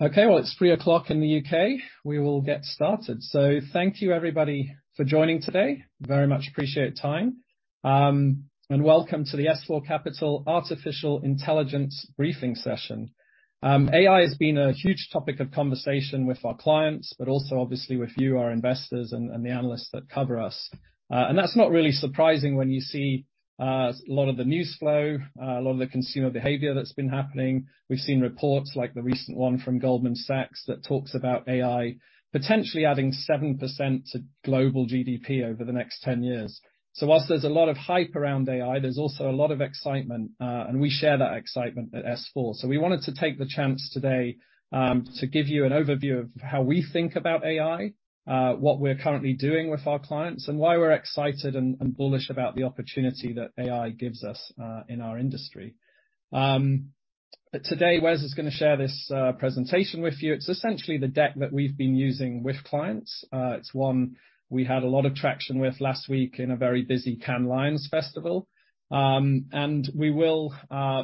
Okay, well, it's 3:00 in the U.K. We will get started. Thank you, everybody for joining today. Very much appreciate your time. Welcome to the S4 Capital Artificial Intelligence Briefing Session. AI has been a huge topic of conversation with our clients, but also obviously with you, our investors, and the analysts that cover us. That's not really surprising when you see a lot of the news flow, a lot of the consumer behavior that's been happening. We've seen reports like the recent one from Goldman Sachs that talks about AI potentially adding seven percent to global GDP over the next 10 years. Whilst there's a lot of hype around AI, there's also a lot of excitement, and we share that excitement at S4. We wanted to take the chance today, to give you an overview of how we think about AI, what we're currently doing with our clients, and why we're excited and bullish about the opportunity that AI gives us in our industry. Today, Wes is gonna share this presentation with you. It's essentially the deck that we've been using with clients. It's one we had a lot of traction with last week in a very busy Cannes Lions Festival. We will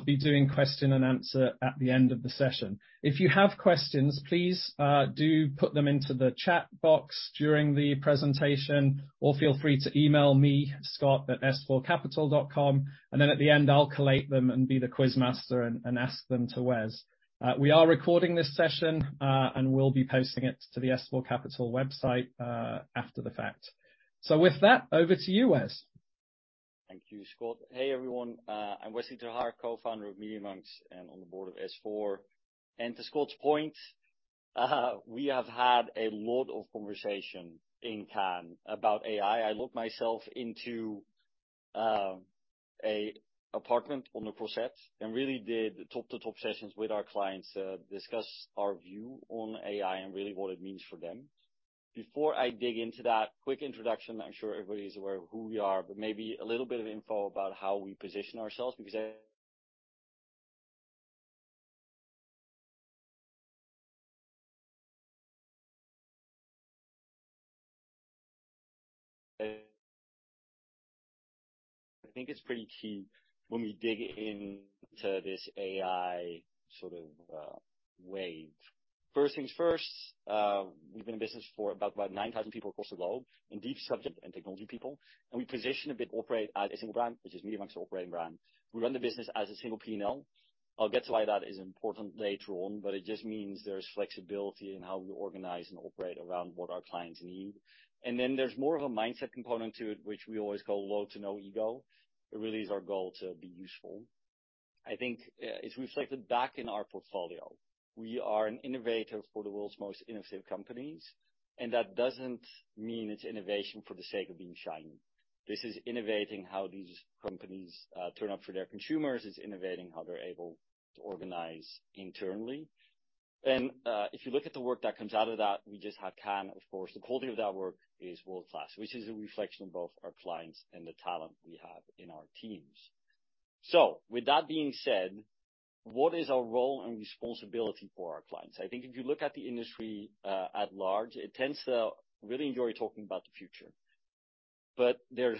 be doing question and answer at the end of the session. If you have questions, please do put them into the chat box during the presentation, or feel free to email me, scott@s4capital.com, at the end, I'll collate them and be the quiz master and ask them to Wes. We are recording this session, and we'll be posting it to the S4 Capital website, after the fact. With that, over to you, Wes. Thank you, Scott. Hey, everyone, I'm Wesley ter Haar, co-founder of Media.Monks and on the board of S4. To Scott's point, we have had a lot of conversation in Cannes about AI. I locked myself into a apartment on the Croisette and really did top-to-top sessions with our clients to discuss our view on AI and really what it means for them. Before I dig into that, quick introduction. I'm sure everybody is aware of who we are, but maybe a little bit of info about how we position ourselves, I think it's pretty key when we dig into this AI sort of wave. First things first, we've been in business for about 9,000 people across the globe, in deep subject and technology people, and we position a bit, operate as a single brand, which is Media.Monks operating brand. We run the business as a single P&L. I'll get to why that is important later on, but it just means there's flexibility in how we organize and operate around what our clients need. Then there's more of a mindset component to it, which we always call low to no ego. It really is our goal to be useful. I think it's reflected back in our portfolio. We are an innovator for the world's most innovative companies. That doesn't mean it's innovation for the sake of being shiny. This is innovating how these companies turn up for their consumers. It's innovating how they're able to organize internally. If you look at the work that comes out of that, we just had Cannes, of course, the quality of that work is world-class, which is a reflection of both our clients and the talent we have in our teams. With that being said, what is our role and responsibility for our clients? I think if you look at the industry, at large, it tends to really enjoy talking about the future, but they're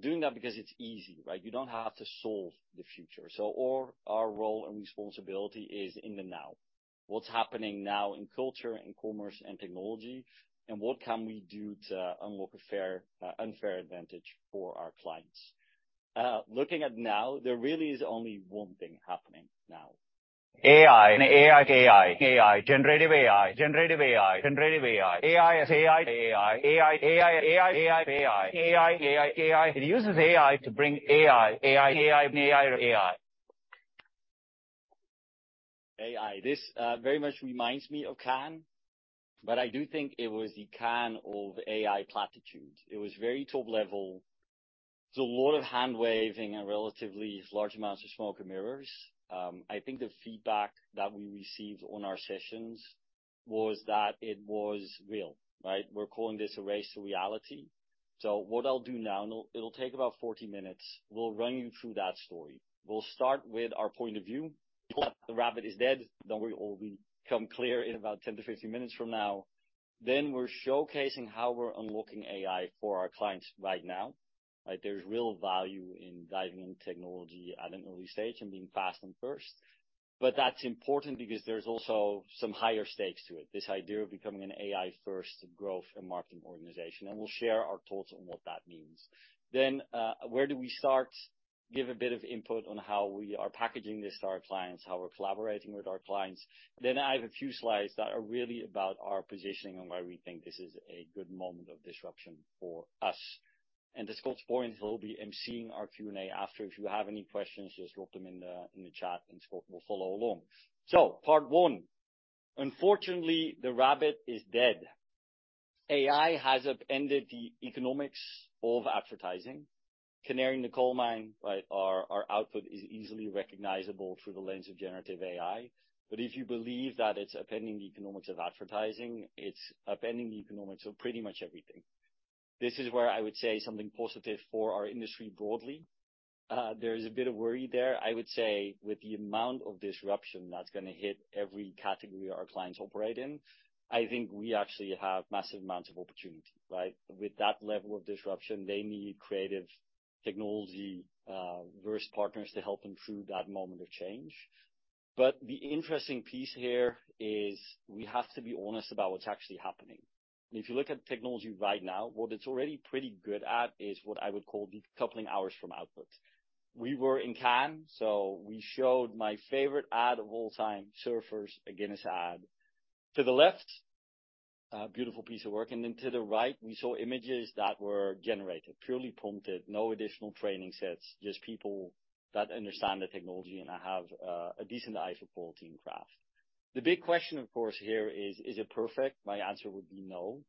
doing that because it's easy, right? You don't have to solve the future. All our role and responsibility is in the now. What's happening now in culture, in commerce, and technology, and what can we do to unlock a fair, unfair advantage for our clients? Looking at now, there really is only one thing happening now: AI and AI, AI, generative AI, generative AI, generative AI, AI, AI, AI, AI, AI. It uses AI to bring AI, AI, or AI. AI. This very much reminds me of Cannes, but I do think it was the Cannes of AI platitudes. It was very top level. There's a lot of hand-waving and relatively large amounts of smoke and mirrors. I think the feedback that we received on our sessions was that it was real, right? We're calling this a race to reality. What I'll do now, and it'll take about 40 minutes, we'll run you through that story. We'll start with our point of view. The rabbit is dead. Don't worry, it will become clear in about 10-15 minutes from now. We are showcasing how we are unlocking AI for our clients right now, right? There is real value in diving into technology at an early stage and being fast and first, but that is important because there is also some higher stakes to it, this idea of becoming an AI-first growth and marketing organization, and we will share our thoughts on what that means. Where do we start? Give a bit of input on how we are packaging this to our clients, how we are collaborating with our clients. I have a few slides that are really about our positioning and why we think this is a good moment of disruption for us. To Scott's point, he will be emceeing our Q&A after. If you have any questions, just drop them in the chat, and Scott will follow along. Part one: unfortunately, the rabbit is dead. AI has upended the economics of advertising. Canary in the coal mine, right? Our output is easily recognizable through the lens of generative AI. If you believe that it's upending the economics of advertising, it's upending the economics of pretty much everything. This is where I would say something positive for our industry broadly. There is a bit of worry there. I would say, with the amount of disruption that's gonna hit every category our clients operate in, I think we actually have massive amounts of opportunity, right? With that level of disruption, they need creative technology, various partners to help them through that moment of change. The interesting piece here is we have to be honest about what's actually happening. If you look at technology right now, what it's already pretty good at is what I would call decoupling hours from output. We were in Cannes. We showed my favorite ad of all time, Surfer, a Guinness ad. To the left, a beautiful piece of work, and then to the right, we saw images that were generated, purely prompted, no additional training sets, just people that understand the technology and have a decent eye for quality and craft. The big question, of course, here is: Is it perfect? My answer would be no.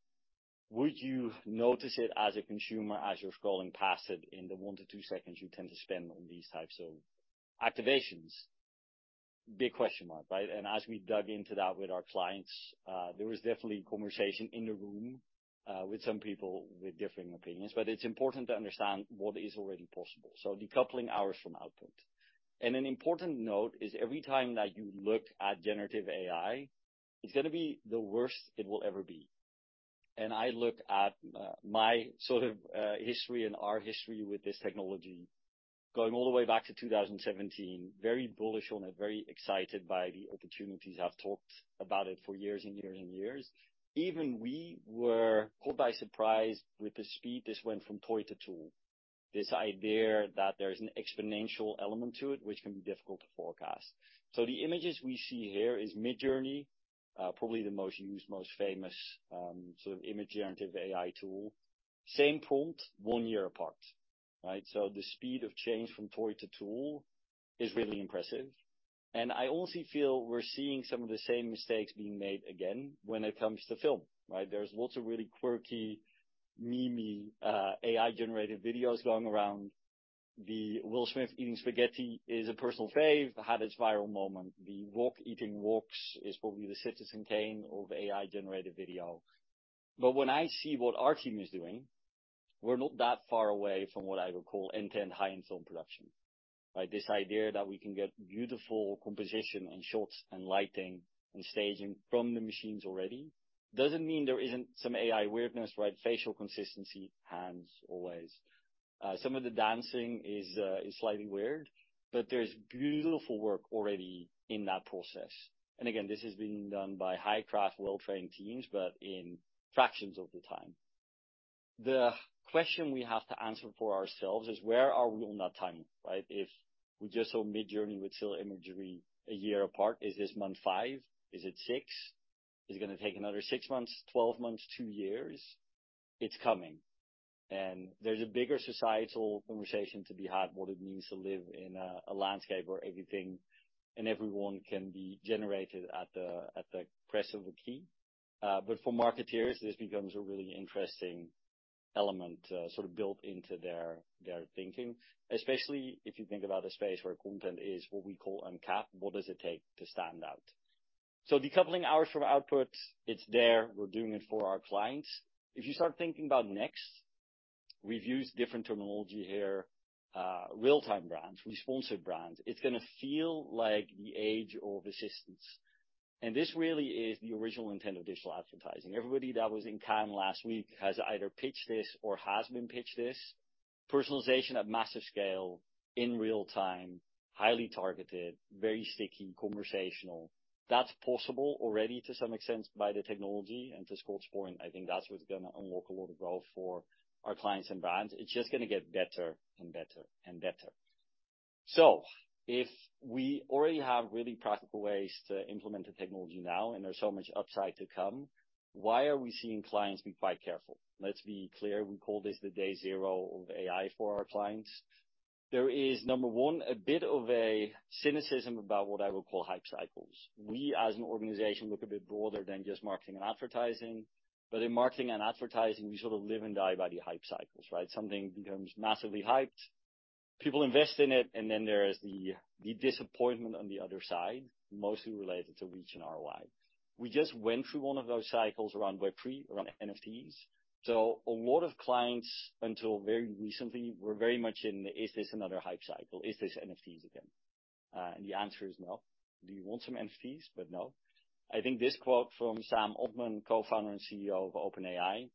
Would you notice it as a consumer, as you're scrolling past it in the one to two seconds you tend to spend on these types of activations? Big question mark, right? As we dug into that with our clients, there was definitely conversation in the room with some people with differing opinions, but it's important to understand what is already possible, decoupling hours from output. An important note is every time that you look at generative AI, it's gonna be the worst it will ever be. I look at my sort of history and our history with this technology going all the way back to 2017, very bullish on it, very excited by the opportunities. I've talked about it for years and years and years. Even we were caught by surprise with the speed this went from toy to tool. This idea that there's an exponential element to it, which can be difficult to forecast. The images we see here is Midjourney, probably the most used, most famous sort of image generative AI tool. Same prompt, one year apart, right? The speed of change from toy to tool is really impressive. I also feel we're seeing some of the same mistakes being made again when it comes to film, right? There's lots of really quirky, meme-y, AI-generated videos going around. The Will Smith eating spaghetti is a personal fave, had its viral moment. The world-eating walks is probably the Citizen Kane of AI-generated video. When I see what our team is doing, we're not that far away from what I would call end-to-end high-end film production, right? This idea that we can get beautiful composition and shots and lighting and staging from the machines already, doesn't mean there isn't some AI weirdness, right? Facial consistency, hands, always. Some of the dancing is slightly weird, but there's beautiful work already in that process. Again, this has been done by high-craft, well-trained teams, but in fractions of the time. The question we have to answer for ourselves is: Where are we on that timing, right? If we just saw Midjourney with still imagery a year apart, is this month five? Is it six? Is it gonna take another six months, 12 months, two years? It's coming, and there's a bigger societal conversation to be had, what it means to live in a landscape where everything and everyone can be generated at the press of a key. For marketers, this becomes a really interesting element, sort of built into their thinking, especially if you think about a space where content is what we call uncapped. What does it take to stand out? Decoupling hours from output, it's there. We're doing it for our clients. If you start thinking about next, we've used different terminology here, real-time brands. We sponsored brands. It's gonna feel like the age of assistance. This really is the original intent of digital advertising. Everybody that was in Cannes last week has either pitched this or has been pitched this. Personalization at massive scale, in real time, highly targeted, very sticky, conversational. That's possible already to some extent by the technology and to score scoring, I think that's what's gonna unlock a lot of growth for our clients and brands. It's just gonna get better and better and better. If we already have really practical ways to implement the technology now, and there's so much upside to come, why are we seeing clients be quite careful? Let's be clear, we call this the day zero of AI for our clients. There is, number one, a bit of a cynicism about what I would call hype cycles. We, as an organization, look a bit broader than just marketing and advertising. In marketing and advertising, we sort of live and die by the hype cycles, right? Something becomes massively hyped, people invest in it, and then there is the disappointment on the other side, mostly related to reach and ROI. We just went through one of those cycles around Web3, around NFTs, so a lot of clients, until very recently, were very much in the, "Is this another hype cycle? Is this NFTs again?" The answer is no. Do you want some NFTs? No. I think this quote from Sam Altman, cofounder and CEO of OpenAI,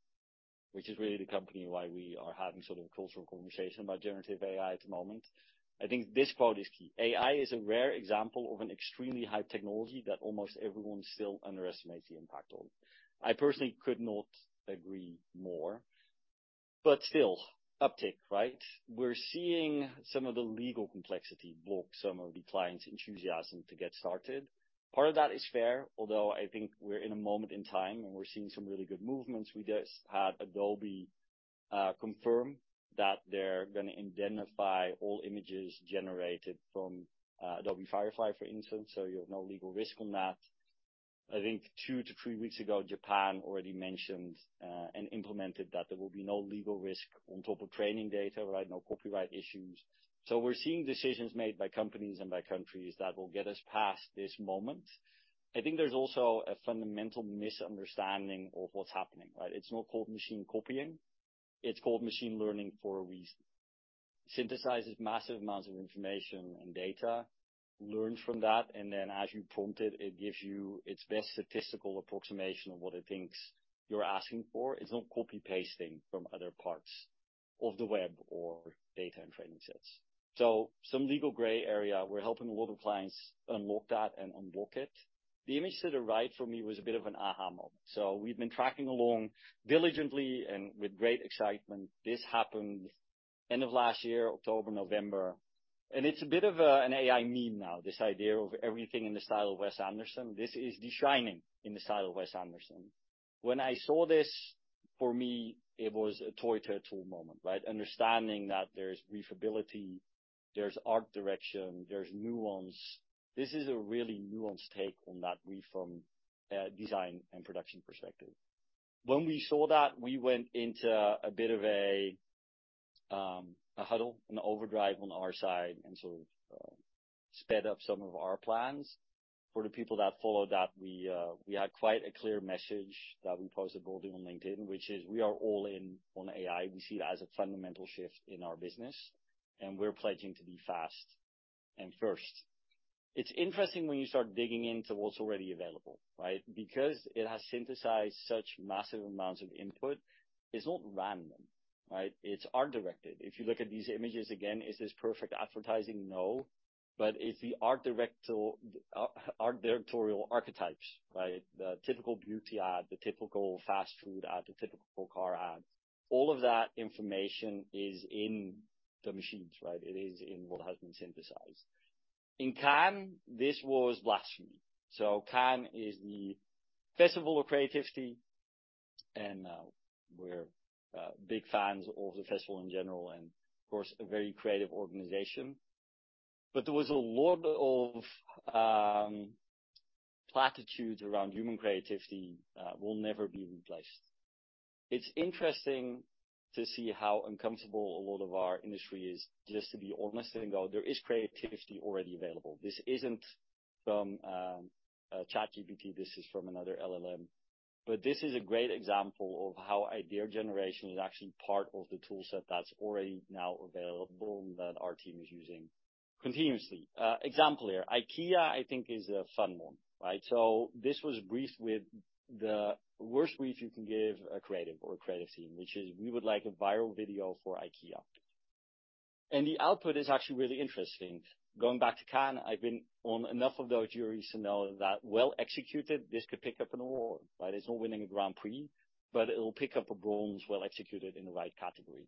which is really the company why we are having sort of a cultural conversation about generative AI at the moment. I think this quote is key: "AI is a rare example of an extremely high technology that almost everyone still underestimates the impact on." I personally could not agree more. Still, uptick, right? We're seeing some of the legal complexity block some of the clients' enthusiasm to get started. Part of that is fair, although I think we're in a moment in time, and we're seeing some really good movements. We just had Adobe confirm that they're gonna indemnify all images generated from Adobe Firefly, for instance, so you have no legal risk on that. I think two to three weeks ago, Japan already mentioned and implemented that there will be no legal risk on top of training data, right? No copyright issues. We're seeing decisions made by companies and by countries that will get us past this moment. I think there's also a fundamental misunderstanding of what's happening, right? It's not called machine copying. It's called machine learning for a reason. Synthesizes massive amounts of information and data, learns from that, and then as you prompt it gives you its best statistical approximation of what it thinks you're asking for. It's not copy-pasting from other parts, of the web or data and training sets. Some legal gray area, we're helping a lot of clients unlock that and unblock it. The image to the right for me was a bit of an aha! moment. We've been tracking along diligently and with great excitement. This happened end of last year, October, November, and it's a bit of an AI meme now, this idea of everything in the style of Wes Anderson. This is The Shining in the style of Wes Anderson. When I saw this, for me, it was a toy turtle moment, right? Understanding that there's refability, there's art direction, there's nuance. This is a really nuanced take on that brief from a design and production perspective. When we saw that, we went into a bit of a huddle, an overdrive on our side, and sort of sped up some of our plans. For the people that followed that, we had quite a clear message that we posted boldly on LinkedIn which is we are all in on AI. We see it as a fundamental shift in our business, and we're pledging to be fast and first. It's interesting when you start digging into what's already available, right? It has synthesized such massive amounts of input, it's not random, right? It's art directed. If you look at these images again, is this perfect advertising? No, it's the art directorial archetypes, right? The typical beauty ad, the typical fast food ad, the typical car ad. All of that information is in the machines, right? It is in what has been synthesized. In Cannes, this was blasphemy. Cannes is the festival of creativity, and we're big fans of the festival in general, and of course, a very creative organization. There was a lot of platitudes around human creativity will never be replaced. It's interesting to see how uncomfortable a lot of our industry is, just to be honest, and though there is creativity already available, this isn't from ChatGPT, this is from another LLM. This is a great example of how idea generation is actually part of the toolset that's already now available, that our team is using continuously. Example here, IKEA, I think, is a fun one, right? This was briefed with the worst brief you can give a creative or a creative team, which is, "We would like a viral video for IKEA." The output is actually really interesting. Going back to Cannes, I've been on enough of those juries to know that well-executed, this could pick up an award, right? It's not winning a Grand Prix, it will pick up a bronze, well executed in the right category.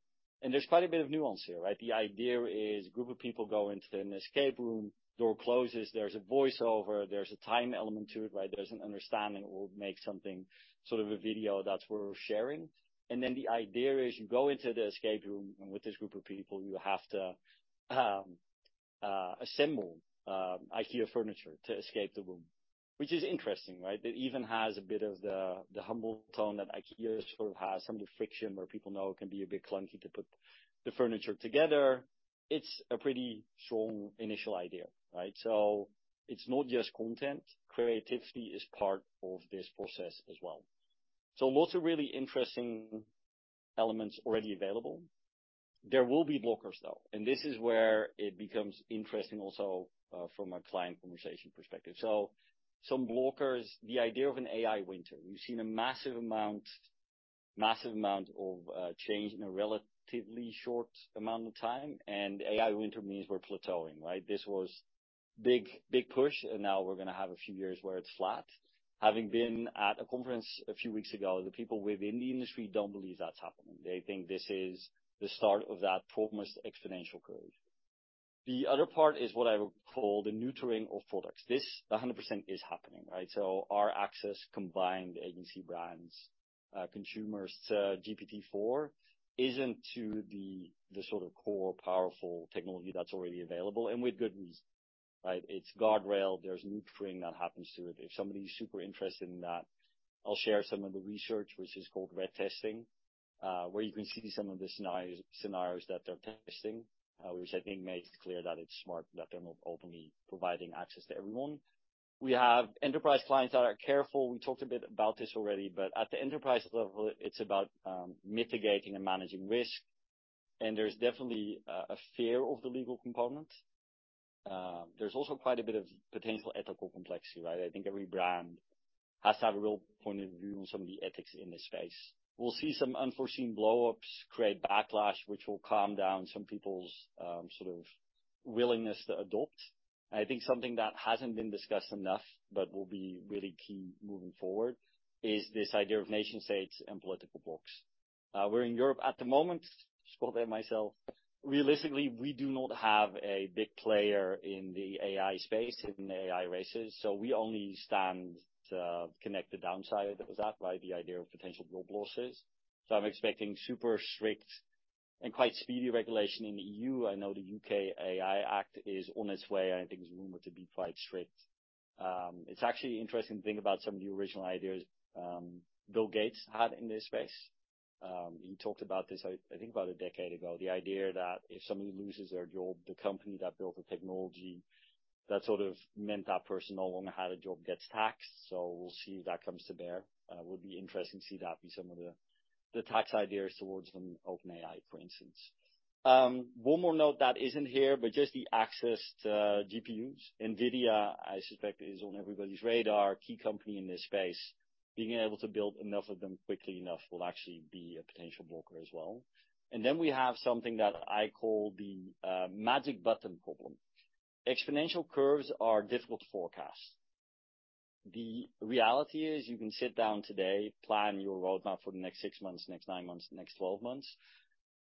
There's quite a bit of nuance here, right? The idea is a group of people go into an escape room, door closes, there's a voiceover, there's a time element to it, right? There's an understanding it will make something, sort of a video that's worth sharing. The idea is you go into the escape room, and with this group of people, you have to assemble IKEA furniture to escape the room. Which is interesting, right? It even has a bit of the humble tone that IKEA sort of has, some of the friction, where people know it can be a bit clunky to put the furniture together. It's a pretty strong initial idea, right? It is not just content. Creativity is part of this process as well. Lots of really interesting elements already available. There will be blockers, though, and this is where it becomes interesting also from a client conversation perspective. Some blockers, the idea of an AI winter. We've seen a massive amount of change in a relatively short amount of time, and AI winter means we're plateauing, right? This was big, big push. Now we're gonna have a few years where it's flat. Having been at a conference a few weeks ago, the people within the industry don't believe that's happening. They think this is the start of that promised exponential curve. The other part is what I would call the neutering of products. This 100% is happening, right? Our access combined agency brands, consumers to GPT-4, isn't to the sort of core, powerful technology that's already available, and with good reason, right? It's guardrail. There's neutering that happens to it. If somebody's super interested in that, I'll share some of the research, which is called red teaming, where you can see some of the scenarios that they're testing, which I think makes it clear that it's smart, that they're not openly providing access to everyone. We have enterprise clients that are careful. We talked a bit about this already, but at the enterprise level, it's about mitigating and managing risk, and there's definitely a fear of the legal component. There's also quite a bit of potential ethical complexity, right? I think every brand has to have a real point of view on some of the ethics in this space. We'll see some unforeseen blow-ups, create backlash, which will calm down some people's sort of willingness to adopt. I think something that hasn't been discussed enough, but will be really key moving forward, is this idea of nation-states and political blocks. We're in Europe at the moment, Scott and myself. Realistically, we do not have a big player in the AI space, in the AI races, so we only stand to connect the downside of that, right? The idea of potential job losses. I'm expecting super strict and quite speedy regulation in the EU. I know the UK AI Act is on its way, and I think it's rumored to be quite strict. It's actually interesting to think about some of the original ideas Bill Gates had in this space. He talked about this, I think about a decade ago. The idea that if somebody loses their job, the company that built the technology, that sort of meant that person no longer had a job, gets taxed. We'll see if that comes to bear. It will be interesting to see that be some of the tax ideas towards the OpenAI, for instance. One more note that isn't here, but just the access to GPUs. NVIDIA, I suspect, is on everybody's radar, key company in this space. Being able to build enough of them quickly enough will actually be a potential blocker as well. Then we have something that I call the magic button problem. Exponential curves are difficult to forecast. The reality is, you can sit down today, plan your roadmap for the next six months, next nine months, next 12 months,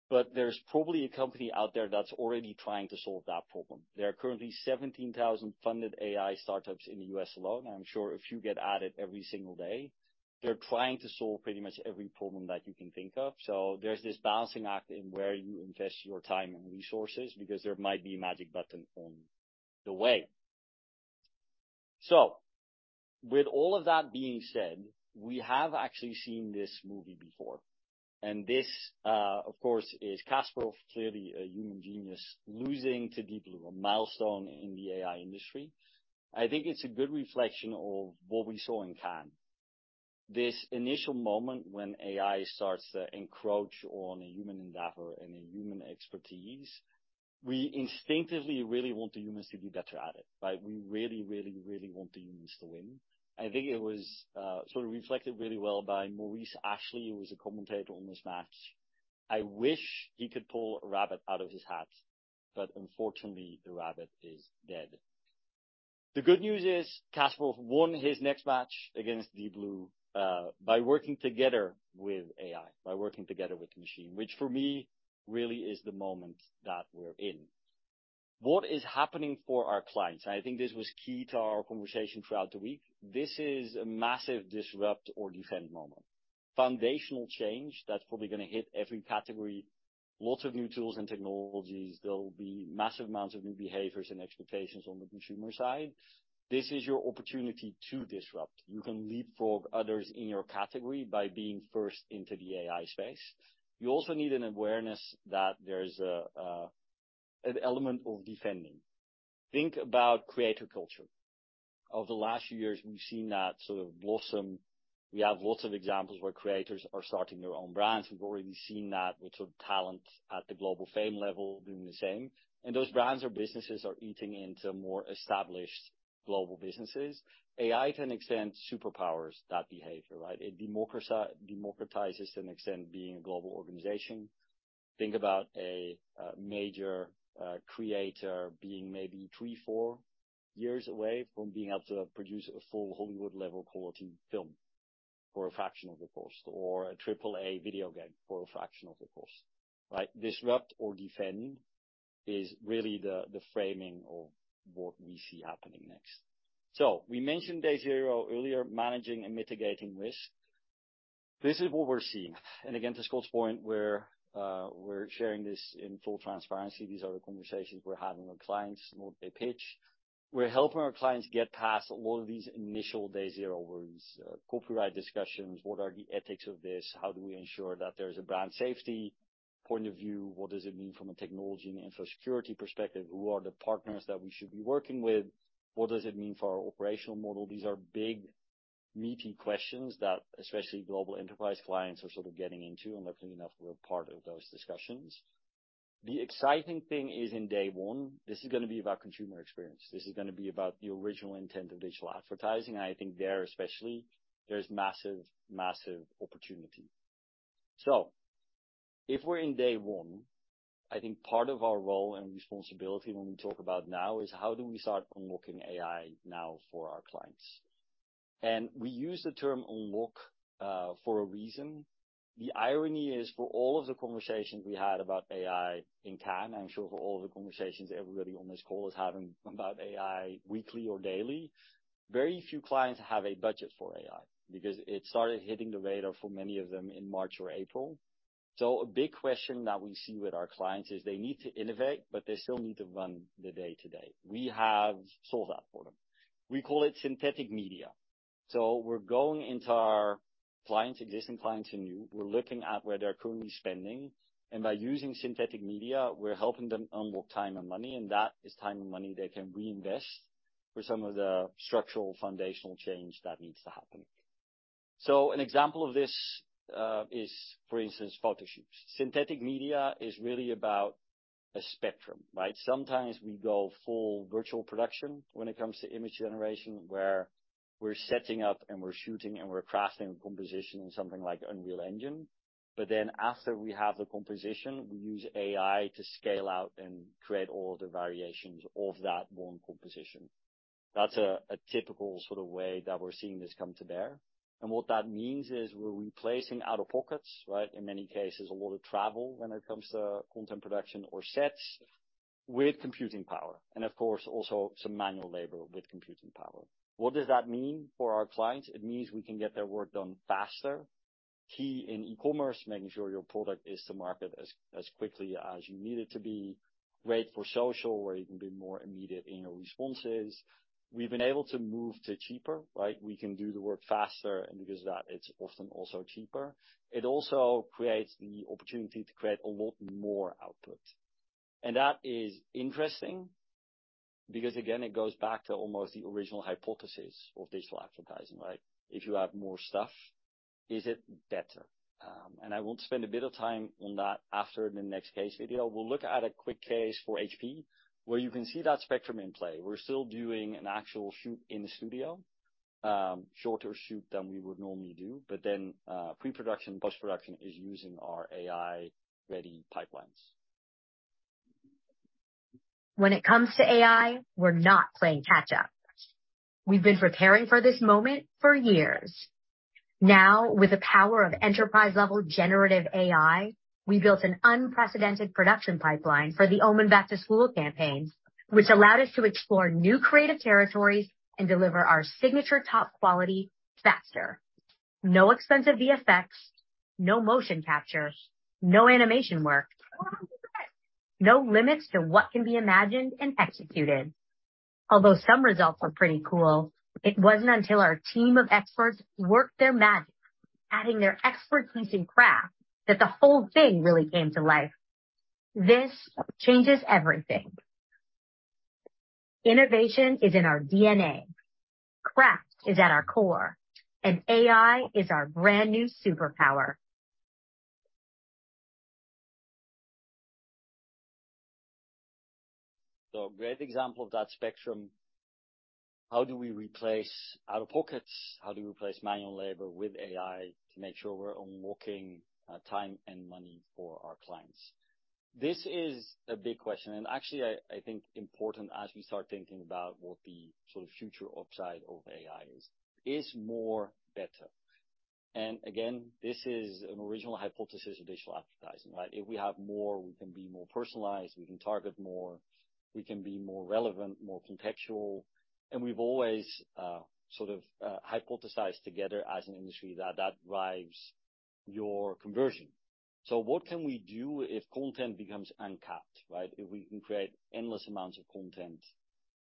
but there's probably a company out there that's already trying to solve that problem. There are currently 17,000 funded AI startups in the U.S. alone. I'm sure a few get added every single day. They're trying to solve pretty much every problem that you can think of. There's this balancing act in where you invest your time and resources, because there might be a magic button on the way. With all of that being said, we have actually seen this movie before, and this, of course, is Kasparov, clearly a human genius, losing to Deep Blue, a milestone in the AI industry. I think it's a good reflection of what we saw in Cannes. This initial moment when AI starts to encroach on a human endeavor and a human expertise, we instinctively really want the humans to be better at it, right? We really, really, really want the humans to win. I think it was, sort of reflected really well by Maurice Ashley, who was a commentator on this match. I wish he could pull a rabbit out of his hat, but unfortunately, the rabbit is dead." The good news is, Kasparov won his next match against Deep Blue by working together with AI, by working together with the machine, which for me, really is the moment that we're in. What is happening for our clients? I think this was key to our conversation throughout the week. This is a massive disrupt or defend moment. Foundational change that's probably gonna hit every category, lots of new tools and technologies. There will be massive amounts of new behaviors and expectations on the consumer side. This is your opportunity to disrupt. You can leapfrog others in your category by being first into the AI space. You also need an awareness that there's an element of defending. Think about creator culture. Over the last few years, we've seen that sort of blossom. We have lots of examples where creators are starting their own brands. We've already seen that with sort of talent at the global fame level doing the same. Those brands or businesses are eating into more established global businesses. AI, to an extent, superpowers that behavior, right? It democratizes to an extent, being a global organization. Think about a major creator being maybe three, four years away from being able to produce a full Hollywood-level quality film for a fraction of the cost, or a triple-A video game for a fraction of the cost, right? Disrupt or defend is really the framing of what we see happening next. We mentioned day zero earlier, managing and mitigating risk. This is what we're seeing. Again, to Scott's point, we're sharing this in full transparency. These are the conversations we're having with clients, not a pitch. We're helping our clients get past a lot of these initial day zero worries, copyright discussions. What are the ethics of this? How do we ensure that there's a brand safety point of view? What does it mean from a technology and info security perspective? Who are the partners that we should be working with? What does it mean for our operational model? These are big, meaty questions that especially global enterprise clients are sort of getting into, and luckily enough, we're part of those discussions. The exciting thing is in day one, this is gonna be about consumer experience. This is gonna be about the original intent of digital advertising. I think there especially, there's massive opportunity. If we're in day one, I think part of our role and responsibility when we talk about now, is how do we start unlocking AI now for our clients? We use the term unlock for a reason. The irony is, for all of the conversations we had about AI in Cannes, I'm sure for all the conversations everybody on this call is having about AI, weekly or daily, very few clients have a budget for AI, because it started hitting the radar for many of them in March or April. A big question that we see with our clients is they need to innovate, but they still need to run the day-to-day. We have solved that for them. We call it synthetic media. We're going into our clients, existing clients and new. We're looking at where they're currently spending. By using synthetic media, we're helping them unlock time and money. That is time and money they can reinvest for some of the structural, foundational change that needs to happen. An example of this is, for instance, photo shoots. Synthetic media is really about a spectrum, right? Sometimes we go full virtual production when it comes to image generation, where we're setting up and we're shooting, and we're crafting a composition in something like Unreal Engine. After we have the composition, we use AI to scale out and create all the variations of that one composition. That's a typical sort of way that we're seeing this come to bear. What that means is we're replacing out-of-pockets, right? In many cases, a lot of travel when it comes to content production or sets with computing power, and of course, also some manual labor with computing power. What does that mean for our clients? It means we can get their work done faster. Key in e-commerce, making sure your product is to market as quickly as you need it to be. Great for social, where you can be more immediate in your responses. We've been able to move to cheaper, right? We can do the work faster, and because of that it's often also cheaper. It also creates the opportunity to create a lot more output. That is interesting. Again, it goes back to almost the original hypothesis of digital advertising, right? If you add more stuff, is it better? I will spend a bit of time on that after the next case video. We'll look at a quick case for HP where you can see that spectrum in play. We're still doing an actual shoot in the studio, shorter shoot than we would normally do, but then, pre-production, post-production is using our AI-ready pipelines. When it comes to AI we're not playing catch up. We've been preparing for this moment for years. With the power of enterprise-level generative AI, we built an unprecedented production pipeline for the OMEN Back to School campaign, which allowed us to explore new creative territories and deliver our signature top quality faster. No expensive VFX, no motion capture, no animation work, no limits to what can be imagined and executed. Some results are pretty cool, it wasn't until our team of experts worked their magic, adding their expertise and craft, that the whole thing really came to life. This changes everything. Innovation is in our DNA craft is at our core AI is our brand new superpower. A great example of that spectrum, how do we replace out-of-pockets? How do we replace manual labor with AI to make sure we're unlocking time and money for our clients? This is a big question, and actually, I think, important as we start thinking about what the sort of future upside of AI is. Is more better? Again, this is an original hypothesis of digital advertising, right? If we have more, we can be more personalized, we can target more, we can be more relevant, more contextual, and we've always, sort of, hypothesized together as an industry that that drives your conversion. What can we do if content becomes uncapped, right? If we can create endless amounts of content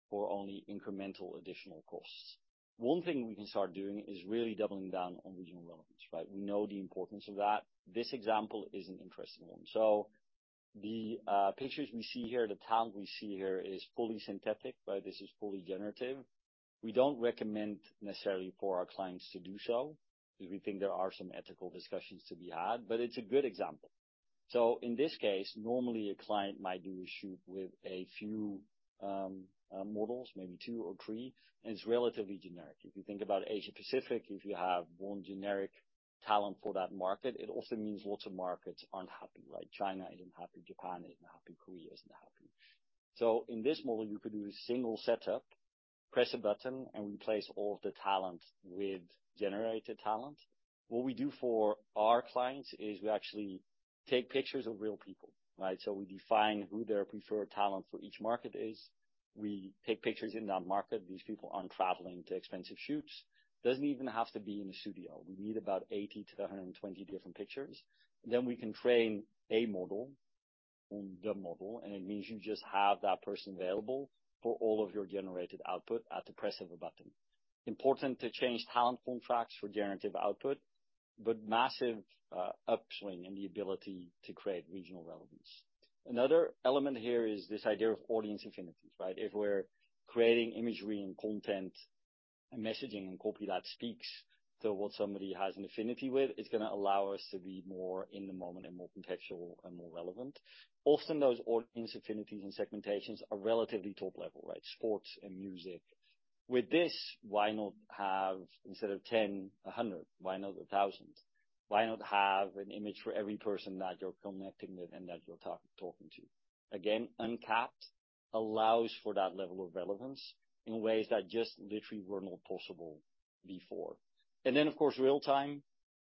for only incremental additional costs. One thing we can start doing is really doubling down on regional relevance, right? We know the importance of that. This example is an interesting one. The pictures we see here, the talent we see here, is fully synthetic, right? This is fully generative. We don't recommend necessarily for our clients to do so, because we think there are some ethical discussions to be had, but it's a good example. In this case, normally a client might do a shoot with a few models, maybe two or three, and it's relatively generic. If you think about Asia-Pacific, if you have one generic talent for that market, it also means lots of markets aren't happy, right? China isn't happy, Japan isn't happy, Korea isn't happy. In this model, you could do a single setup, press a button, and replace all of the talent with generated talent. What we do for our clients is we actually take pictures of real people, right? We define who their preferred talent for each market is. We take pictures in that market. These people aren't traveling to expensive shoots. Doesn't even have to be in a studio. We need about 80 to 120 different pictures. We can train a model on the model, it means you just have that person available for all of your generated output at the press of a button. Important to change talent contracts for generative output, massive upswing in the ability to create regional relevance. Another element here is this idea of audience affinities, right? If we're creating imagery and content and messaging and copy that speaks to what somebody has an affinity with, it's gonna allow us to be more in the moment and more contextual and more relevant. Often, those audience affinities and segmentations are relatively top level, right? Sports and music. With this, why not have, instead of 10, 100? Why not 1,000? Why not have an image for every person that you're connecting with and that you're talking to? Again, uncapped allows for that level of relevance in ways that just literally were not possible before. Then, of course, real-time.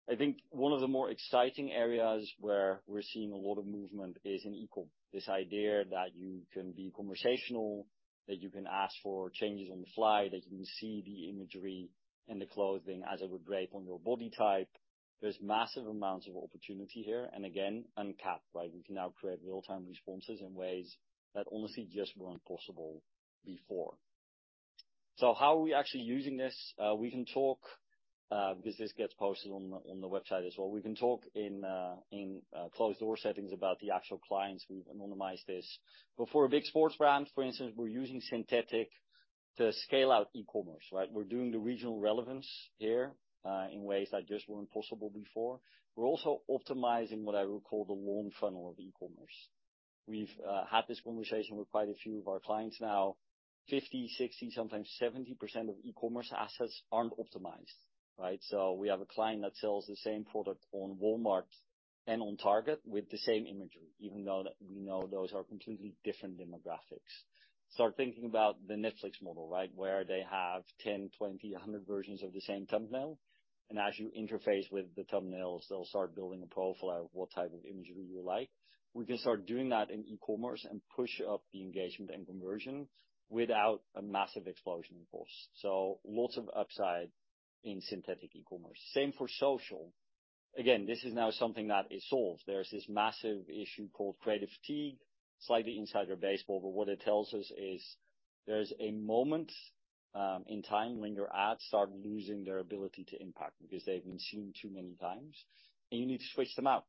I think one of the more exciting areas where we're seeing a lot of movement is in e-com. This idea that you can be conversational, that you can ask for changes on the fly, that you can see the imagery and the clothing as it would look great on your body type. There's massive amounts of opportunity here, and again, uncapped, right? We can now create real-time responses in ways that honestly just weren't possible before. How are we actually using this? We can talk because this gets posted on the website as well. We can talk in closed-door settings about the actual clients. We've anonymized this. For a big sports brand, for instance, we're using synthetic to scale out e-commerce, right? We're doing the regional relevance here in ways that just weren't possible before. We're also optimizing what I would call the warm funnel of e-commerce. We've had this conversation with quite a few of our clients now. 50%, 60%, sometimes 70% of e-commerce assets aren't optimized, right? We have a client that sells the same product on Walmart and on Target with the same imagery, even though that we know those are completely different demographics. Start thinking about the Netflix model, right? Where they have 10, 20, 100 versions of the same thumbnail, and as you interface with the thumbnails, they'll start building a profile of what type of imagery you like. We can start doing that in e-commerce and push up the engagement and conversion without a massive explosion in costs. Lots of upside in synthetic e-commerce. Same for social. Again, this is now something that is solved. There's this massive issue called creative fatigue, slightly inside your baseball, but what it tells us is there's a moment in time when your ads start losing their ability to impact because they've been seen too many times, and you need to switch them out.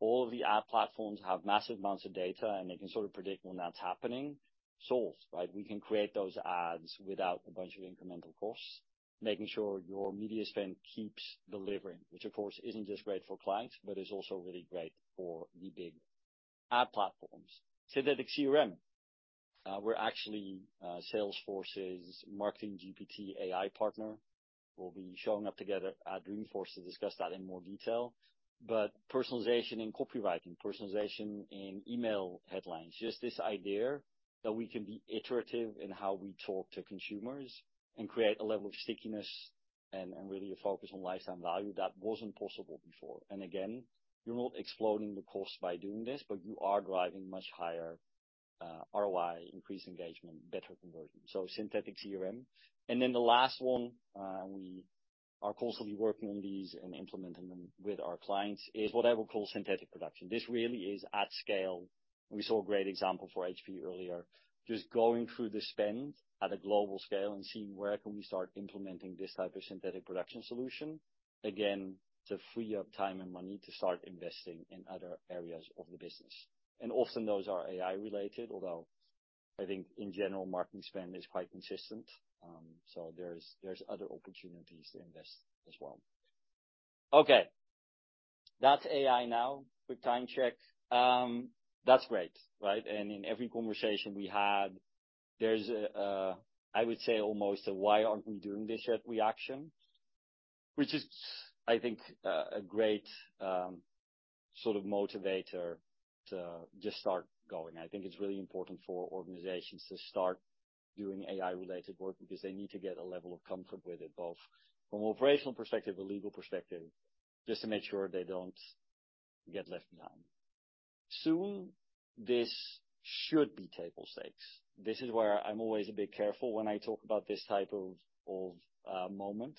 All of the ad platforms have massive amounts of data, and they can sort of predict when that's happening. Solved, right? We can create those ads without a bunch of incremental costs, making sure your media spend keeps delivering, which, of course, isn't just great for clients, but is also really great for the big ad platforms. Synthetic CRM, we're actually Salesforce's Marketing GPT AI partner. We'll be showing up together at Dreamforce to discuss that in more detail. Personalization in copywriting, personalization in email headlines, just this idea that we can be iterative in how we talk to consumers and create a level of stickiness and really a focus on lifetime value, that wasn't possible before. Again, you're not exploding the cost by doing this, but you are driving much higher ROI, increased engagement, better conversion, synthetic CRM. The last one, we are constantly working on these and implementing them with our clients, is what I will call synthetic production. This really is at scale. We saw a great example for HP earlier. Just going through the spend at a global scale and seeing where can we start implementing this type of synthetic production solution. Again, to free up time and money to start investing in other areas of the business. Often those are AI related, although I think in general, marketing spend is quite consistent. There's other opportunities to invest as well. Okay, that's AI now. Quick time check. That's great, right? In every conversation we had, there's a, I would say, almost a why aren't we doing this yet reaction, which is, I think, a great sort of motivator to just start going. I think it's really important for organizations to start doing AI-related work because they need to get a level of comfort with it both from an operational perspective, a legal perspective, just to make sure they don't get left behind. Soon, this should be table stakes. This is where I'm always a bit careful when I talk about this type of moment.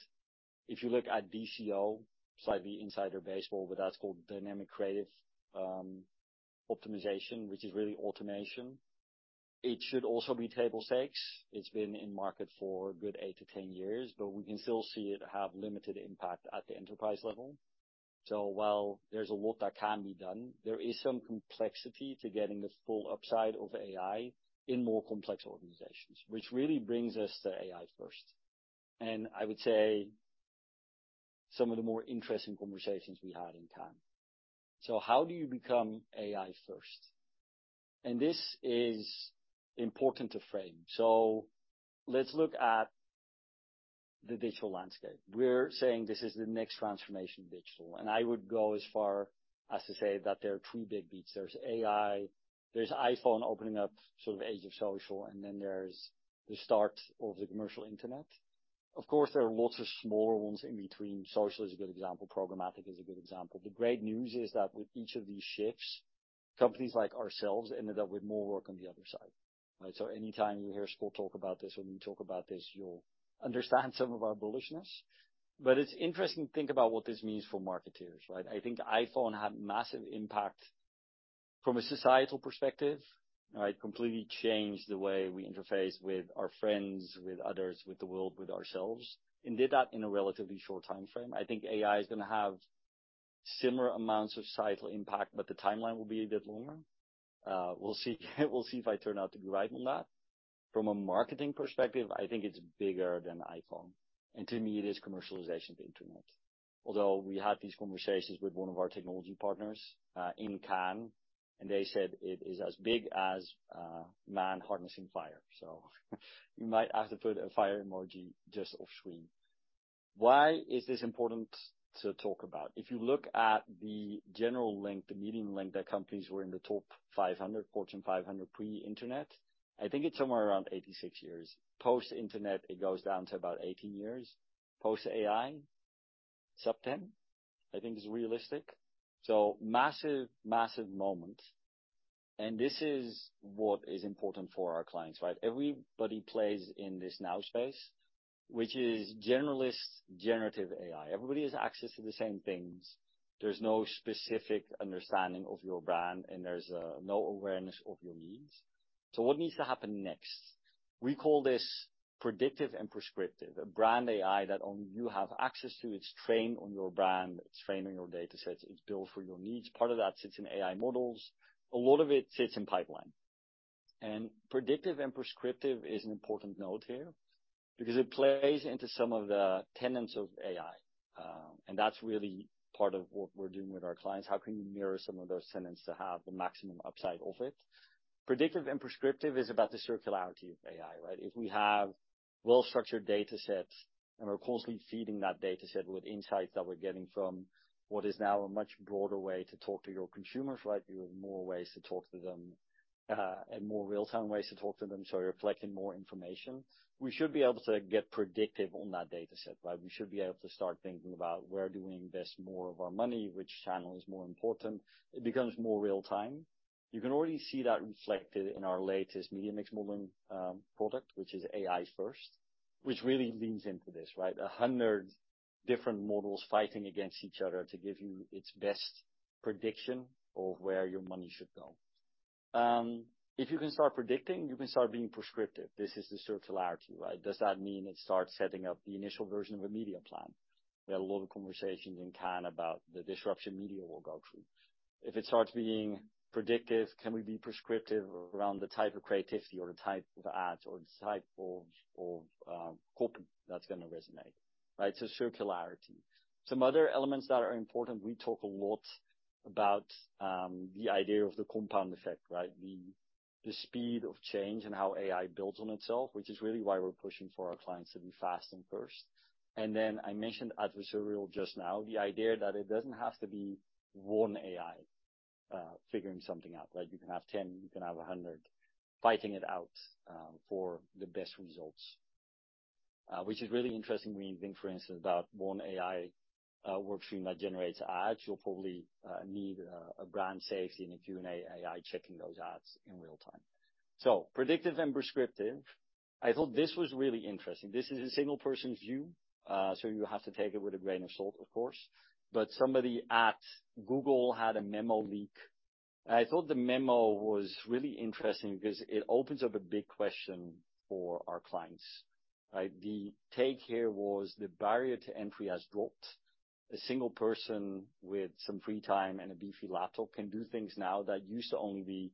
If you look at DCO, slightly insider baseball, but that's called dynamic creative optimization, which is really automation. It should also be table stakes. It's been in market for a good 8-10 years, we can still see it have limited impact at the enterprise level. While there's a lot that can be done, there is some complexity to getting the full upside of AI in more complex organizations, which really brings us to AI first, and I would say some of the more interesting conversations we had in Cannes. How do you become AI first? This is important to frame. Let's look at the digital landscape. We're saying this is the next transformation, digital, and I would go as far as to say that there are three big beats. There's AI, there's iPhone opening up, sort of age of social, and then there's the start of the commercial internet. Of course, there are lots of smaller ones in between. Social is a good example. Programmatic is a good example. The great news is that with each of these shifts, companies like ourselves ended up with more work on the other side, right? Anytime you hear Scott talk about this, or me talk about this, you'll understand some of our bullishness. It's interesting to think about what this means for marketers, right? I think the iPhone had massive impact from a societal perspective, right? Completely changed the way we interface with our friends, with others, with the world, with ourselves, and did that in a relatively short time frame. I think AI is gonna have similar amounts of societal impact, but the timeline will be a bit longer. We'll see if I turn out to be right on that. From a marketing perspective, I think it's bigger than iPhone, and to me, it is commercialization of the internet. Although we had these conversations with one of our technology partners in Cannes, and they said it is as big as man harnessing fire. You might have to put a fire emoji just offscreen. Why is this important to talk about? If you look at the general length, the median length, that companies were in the top 500, Fortune 500 pre-internet, I think it's somewhere around 86 years. Post-internet, it goes down to about 18 years. Post-AI, sub 10, I think is realistic. Massive moment, and this is what is important for our clients, right? Everybody plays in this now space, which is generalist, generative AI. Everybody has access to the same things. There's no specific understanding of your brand, and there's no awareness of your needs. What needs to happen next? We call this predictive and prescriptive, a brand AI that only you have access to. It's trained on your brand, it's trained on your datasets, it's built for your needs. Part of that sits in AI models. A lot of it sits in pipeline. Predictive and prescriptive is an important note here because it plays into some of the tenets of AI, and that's really part of what we're doing with our clients. How can you mirror some of those tenets to have the maximum upside of it? Predictive and prescriptive is about the circularity of AI, right? If we have well-structured datasets, and we're constantly feeding that dataset with insights that we're getting from what is now a much broader way to talk to your consumers, right? You have more ways to talk to them, and more real-time ways to talk to them, so you're collecting more information. We should be able to get predictive on that dataset, right? We should be able to start thinking about where do we invest more of our money, which channel is more important. It becomes more real-time. You can already see that reflected in our latest media mix modeling product, which is AI first, which really leans into this, right? 100 different models fighting against each other to give you its best prediction of where your money should go. If you can start predicting, you can start being prescriptive. This is the circularity, right? Does that mean it starts setting up the initial version of a media plan? We had a lot of conversations in Cannes about the disruption media will go through. If it starts being predictive, can we be prescriptive around the type of creativity or the type of ads or the type of copy that's gonna resonate, right? Circularity. Some other elements that are important, we talk a lot about the idea of the compound effect, right? The speed of change and how AI builds on itself, which is really why we're pushing for our clients to be fast and first. Then I mentioned adversarial just now, the idea that it doesn't have to be one AI figuring something out. Like, you can have 10, you can have 100, fighting it out for the best results. Which is really interesting when you think, for instance, about one AI workflow that generates ads. You'll probably need a brand safety and a Q&A AI checking those ads in real time. Predictive and prescriptive. I thought this was really interesting. This is a single person's view, so you have to take it with a grain of salt, of course, but somebody at Google had a memo leak. I thought the memo was really interesting because it opens up a big question for our clients, right? The take here was the barrier to entry has dropped. A single person with some free time and a beefy laptop can do things now that used to only be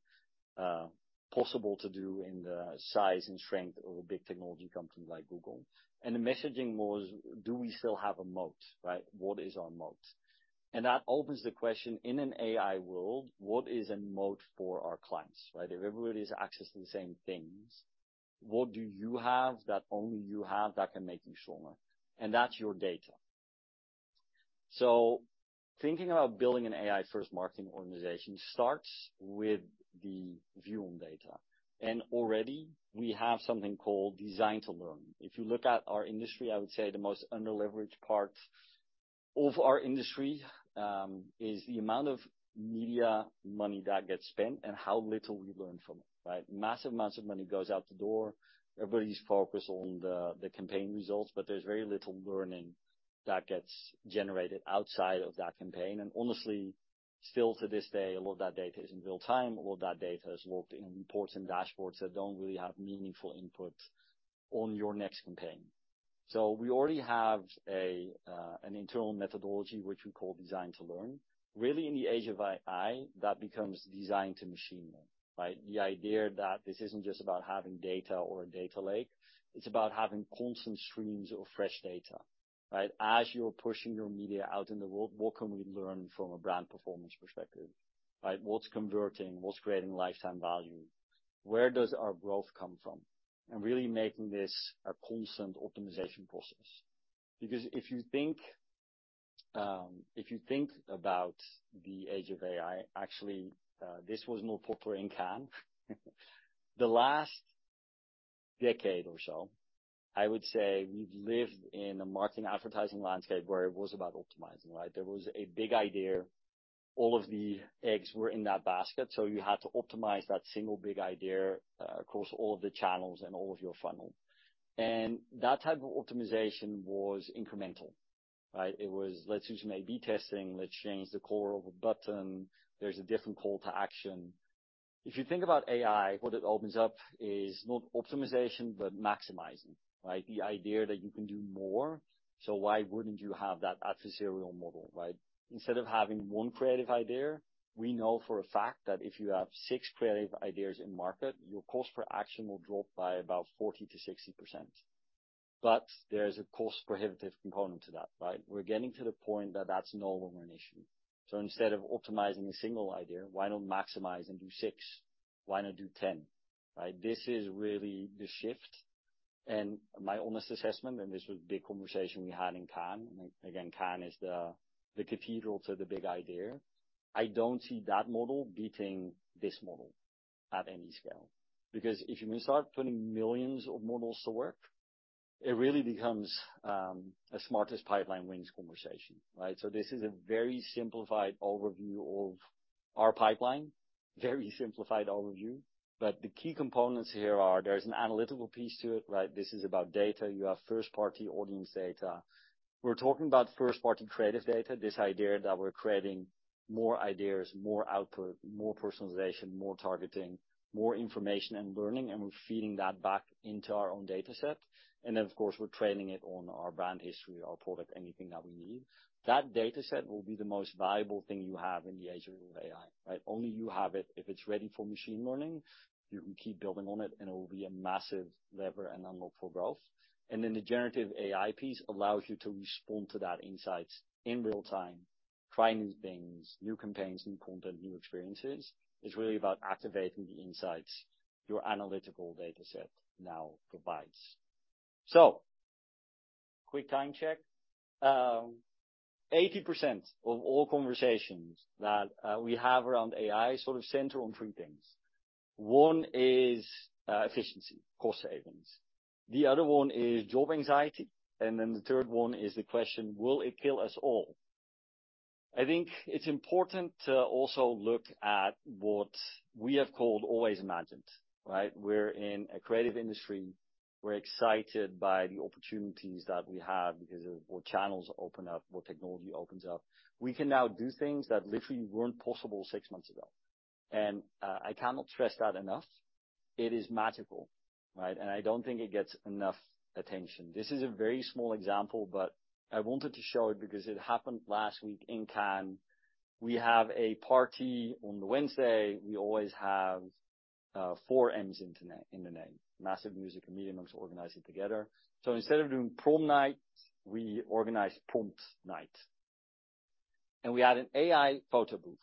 possible to do in the size and strength of a big technology company like Google. The messaging was: Do we still have a moat, right? What is our moat? That opens the question, in an AI world, what is a moat for our clients, right? If everybody's accessing the same things, what do you have that only you have that can make you stronger? That's your data. Thinking about building an AI-first marketing organization starts with the view on data, and already we have something called Design to Learn. If you look at our industry, I would say the most underleveraged part of our industry is the amount of media money that gets spent and how little we learn from it, right? Massive amounts of money goes out the door. Everybody's focused on the campaign results, but there's very little learning that gets generated outside of that campaign. Honestly, still to this day, a lot of that data is in real time, a lot of that data is locked in reports and dashboards that don't really have meaningful input on your next campaign. We already have an internal methodology, which we call Design to Learn. Really, in the age of AI, that becomes Design to Machine Learn, right? The idea that this isn't just about having data or a data lake, it's about having constant streams of fresh data, right? As you're pushing your media out in the world, what can we learn from a brand performance perspective, right? What's converting? What's creating lifetime value? Where does our growth come from? Really making this a constant optimization process. If you think about the age of AI. Actually, this was more popular in Cannes. The last decade or so, I would say we've lived in a marketing advertising landscape where it was about optimizing, right? There was a big idea. All of the eggs were in that basket, so you had to optimize that single big idea, across all of the channels and all of your funnel. That type of optimization was incremental, right? It was, let's use maybe testing, let's change the color of a button. There's a different call to action. If you think about AI, what it opens up is not optimization, but maximizing, right? The idea that you can do more so why wouldn't you have that adversarial model, right? Instead of having one creative idea, we know for a fact that if you have six creative ideas in market, your cost per action will drop by about 40%-60%. There's a cost prohibitive component to that, right? We're getting to the point that that's no longer an issue. Instead of optimizing a single idea, why not maximize and do six? Why not do 10, right? This is really the shift, and my honest assessment, and this was a big conversation we had in Cannes, and again, Cannes is the cathedral to the big idea. I don't see that model beating this model at any scale, because if you can start putting millions of models to work, it really becomes a smartest pipeline wins conversation, right? This is a very simplified overview of our pipeline. Very simplified overview, but the key components here are, there's an analytical piece to it, right? This is about data. You have first-party audience data. We're talking about first-party creative data, this idea that we're creating more ideas, more output, more personalization, more targeting, more information and learning, and we're feeding that back into our own data set. Of course, we're training it on our brand history, our product, anything that we need. That data set will be the most valuable thing you have in the age of AI, right? Only you have it. If it's ready for machine learning, you can keep building on it, and it will be a massive lever and unlock for growth. The generative AI piece allows you to respond to that insights in real time, try new things, new campaigns, new content, new experiences. It's really about activating the insights your analytical data set now provides. Quick time check. Eighty percent of all conversations that we have around AI sort of center on three things. One is efficiency, cost savings. The other one is job anxiety. Then the third one is the question: Will it kill us all? I think it's important to also look at what we have called always imagined, right. We're in a creative industry. We're excited by the opportunities that we have because of what channels open up, what technology opens up. We can now do things that literally weren't possible six months ago and I cannot stress that enough. It is magical, right. I don't think it gets enough attention. This is a very small example, but I wanted to show it because it happened last week in Cannes. We have a party on the Wednesday. We always have four M's in the name, MassiveMusic and Media.Monks organize it together. Instead of doing prom night, we organized prompt night, and we had an AI photo booth.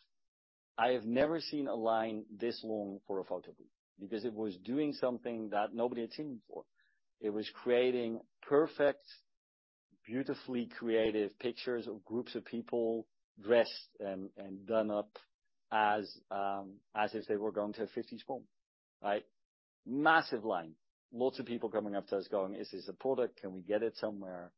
I have never seen a line this long for a photo booth, because it was doing something that nobody had seen before. It was creating perfect, beautifully creative pictures of groups of people dressed and done up as if they were going to a '50s prom, right? Massive line. Lots of people coming up to us going, "Is this a product? Can we get it somewhere?"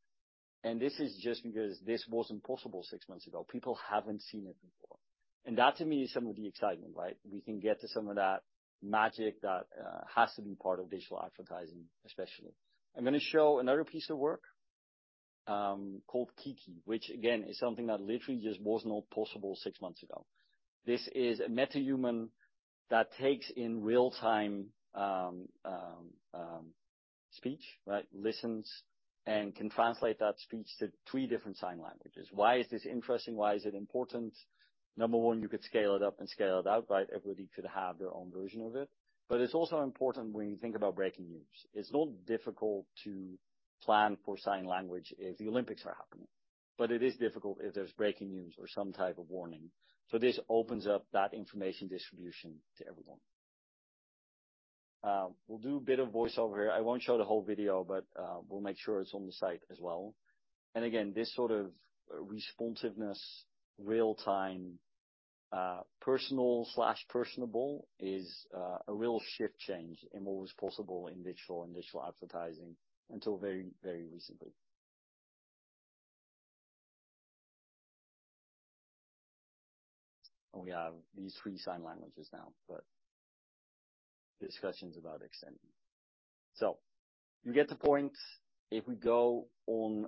This is just because this wasn't possible six months ago. People haven't seen it before, and that, to me, is some of the excitement, right? We can get to some of that magic that has to be part of digital advertising, especially. I'm gonna show another piece of work, called Kiki, which, again, is something that literally just was not possible six months ago. This is a MetaHuman that takes in real time, speech, right? Listens and can translate that speech to three different sign languages. Why is this interesting? Why is it important? Number one, you could scale it up and scale it out, right? Everybody could have their own version of it. It's also important when you think about breaking news. It's not difficult to plan for sign language if the Olympics are happening, but it is difficult if there's breaking news or some type of warning. This opens up that information distribution to everyone. We'll do a bit of voice over here. I won't show the whole video, but, we'll make sure it's on the site as well. Again, this sort of responsiveness, real-time, personal slash personable is a real shift change in what was possible in digital and digital advertising until very, very recently. We have these three sign languages now, but discussions about extending. You get the point. If we go on,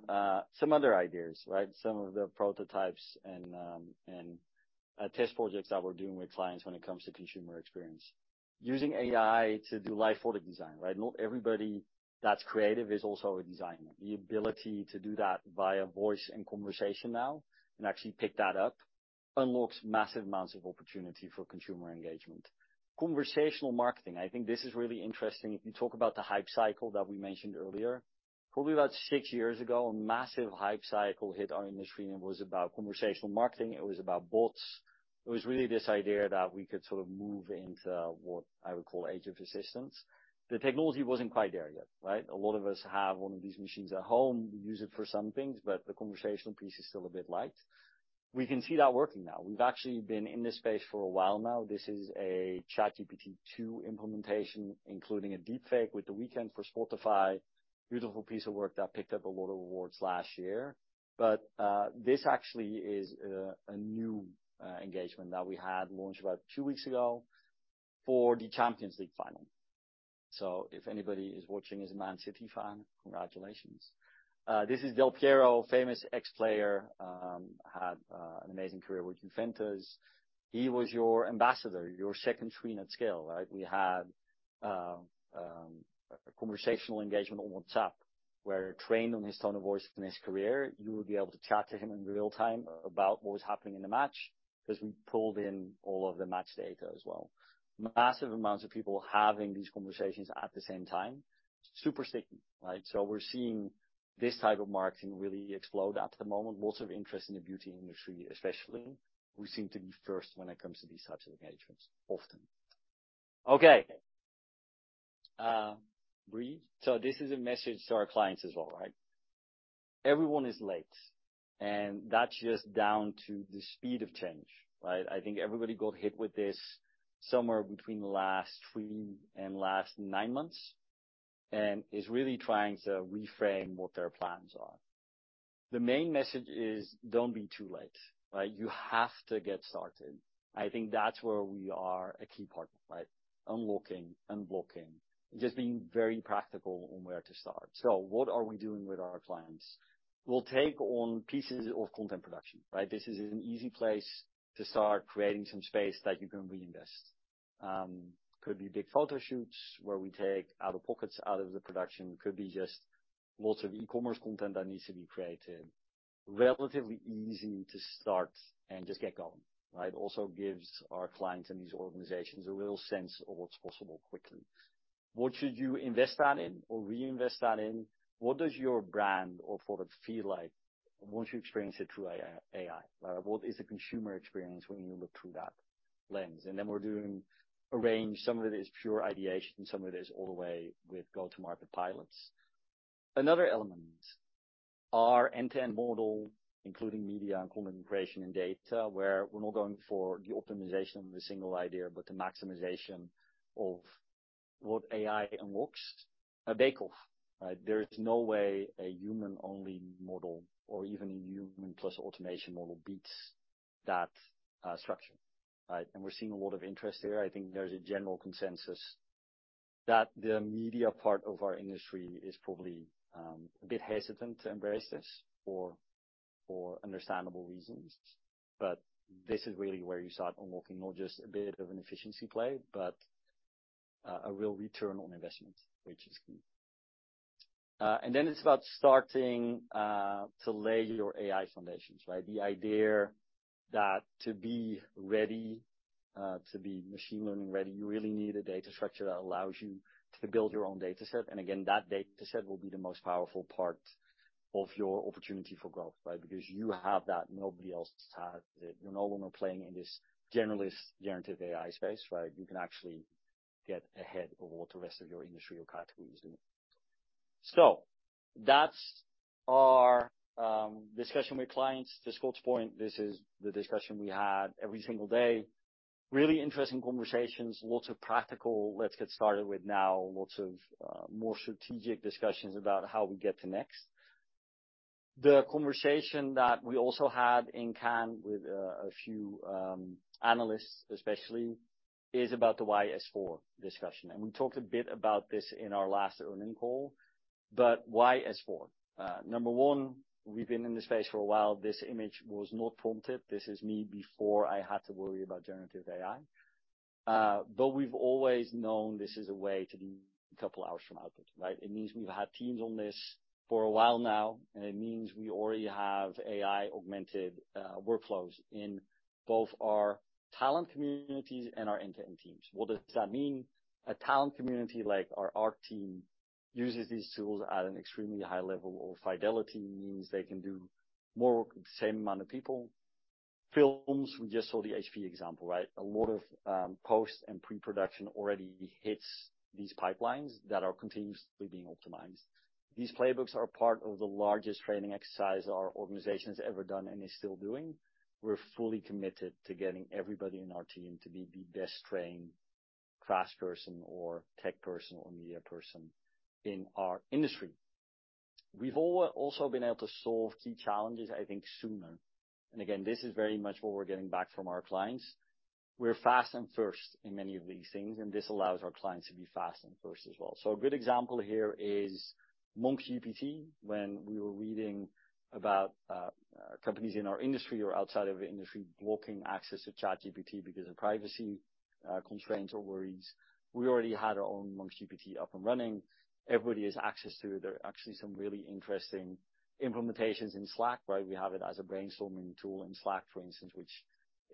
some other ideas, right, some of the prototypes and test projects that we're doing with clients when it comes to consumer experience. Using AI to do live photo design, right? Not everybody that's creative is also a designer. The ability to do that via voice and conversation now, and actually pick that up, unlocks massive amounts of opportunity for consumer engagement. Conversational marketing, I think this is really interesting. If you talk about the hype cycle that we mentioned earlier, probably about six years ago, a massive hype cycle hit our industry. It was about conversational marketing. It was about bots. It was really this idea that we could sort of move into what I would call age of assistance. The technology wasn't quite there yet, right? A lot of us have one of these machines at home. We use it for some things. The conversational piece is still a bit light. We can see that working now. We've actually been in this space for a while now. This is a ChatGPT 2 implementation, including a deepfake with The Weeknd for Spotify. Beautiful piece of work that picked up a lot of awards last year. This actually is a new engagement that we had launched about two weeks ago for the Champions League final. If anybody is watching is a Man City fan, congratulations. This is Del Piero, famous ex-player, had an amazing career with Juventus. He was your ambassador, your second screen at scale, right? We had a conversational engagement on WhatsApp, where trained on his tone of voice in his career, you would be able to chat to him in real time about what was happening in the match, 'cause we pulled in all of the match data as well. Massive amounts of people having these conversations at the same time. Super sticky, right? We're seeing this type of marketing really explode at the moment. Lots of interest in the beauty industry, especially. We seem to be first when it comes to these types of engagements, often. Okay, breathe. This is a message to our clients as well, right? Everyone is late, and that's just down to the speed of change, right? I think everybody got hit with this somewhere between the last three and last nine months, and is really trying to reframe what their plans are. The main message is, don't be too late, right? You have to get started. I think that's where we are a key partner, right? Unlocking, unblocking, just being very practical on where to start. What are we doing with our clients? We'll take on pieces of content production, right? This is an easy place to start creating some space that you can reinvest. Could be big photo shoots where we take out-of-pockets out of the production. Could be just lots of e-commerce content that needs to be created. Relatively easy to start and just get going, right? Gives our clients and these organizations a real sense of what's possible quickly. What should you invest that in or reinvest that in? What does your brand or product feel like once you experience it through AI? What is the consumer experience when you look through that lens? We're doing a range. Some of it is pure ideation, some of it is all the way with go-to-market pilots. Another element, our end-to-end model, including media and content creation and data, where we're not going for the optimization of a single idea, but the maximization of what AI unlocks, a bake-off, right? There is no way a human-only model or even a human plus automation model beats that structure, right? We're seeing a lot of interest here. I think there's a general consensus that the media part of our industry is probably a bit hesitant to embrace this for understandable reasons, but this is really where you start unlocking not just a bit of an efficiency play, but a real return on investment, which is key. Then it's about starting to lay your AI foundations, right? The idea that to be ready, to be machine learning ready, you really need a data structure that allows you to build your own data set. Again, that data set will be the most powerful part of your opportunity for growth, right? Because you have that, nobody else has it. You're no longer playing in this generalist generative AI space, right? You can actually get ahead of what the rest of your industry or category is doing. That's our discussion with clients. To Scott's point, this is the discussion we have every single day. Really interesting conversations lots of practical, let's get started with now, lots of more strategic discussions about how we get to next. The conversation that we also had in Cannes with a few analysts, especially, is about the why S4 discussion. We talked a bit about this in our last earnings call, why S4? Number one, we've been in this space for a while. This image was not prompted. This is me before I had to worry about generative AI. We've always known this is a way to decouple hours from output, right? It means we've had teams on this for a while now, and it means we already have AI-augmented workflows in both our talent communities and our end-to-end teams. What does that mean? A talent community like our art team uses these tools at an extremely high level of fidelity, means they can do more work with the same amount of people. Films, we just saw the HP example, right? A lot of post and pre-production already hits these pipelines that are continuously being optimized. These playbooks are part of the largest training exercise our organization's ever done and is still doing. We're fully committed to getting everybody in our team to be the best trained crafts person or tech person or media person in our industry. We've also been able to solve key challenges, I think, sooner. Again, this is very much what we're getting back from our clients. We're fast and first in many of these things, and this allows our clients to be fast and first as well. A good example here is MonkGPT. When we were reading about companies in our industry or outside of our industry blocking access to ChatGPT because of privacy constraints or worries, we already had our own MonkGPT up and running. Everybody has access to it. There are actually some really interesting implementations in Slack, right? We have it as a brainstorming tool in Slack, for instance, which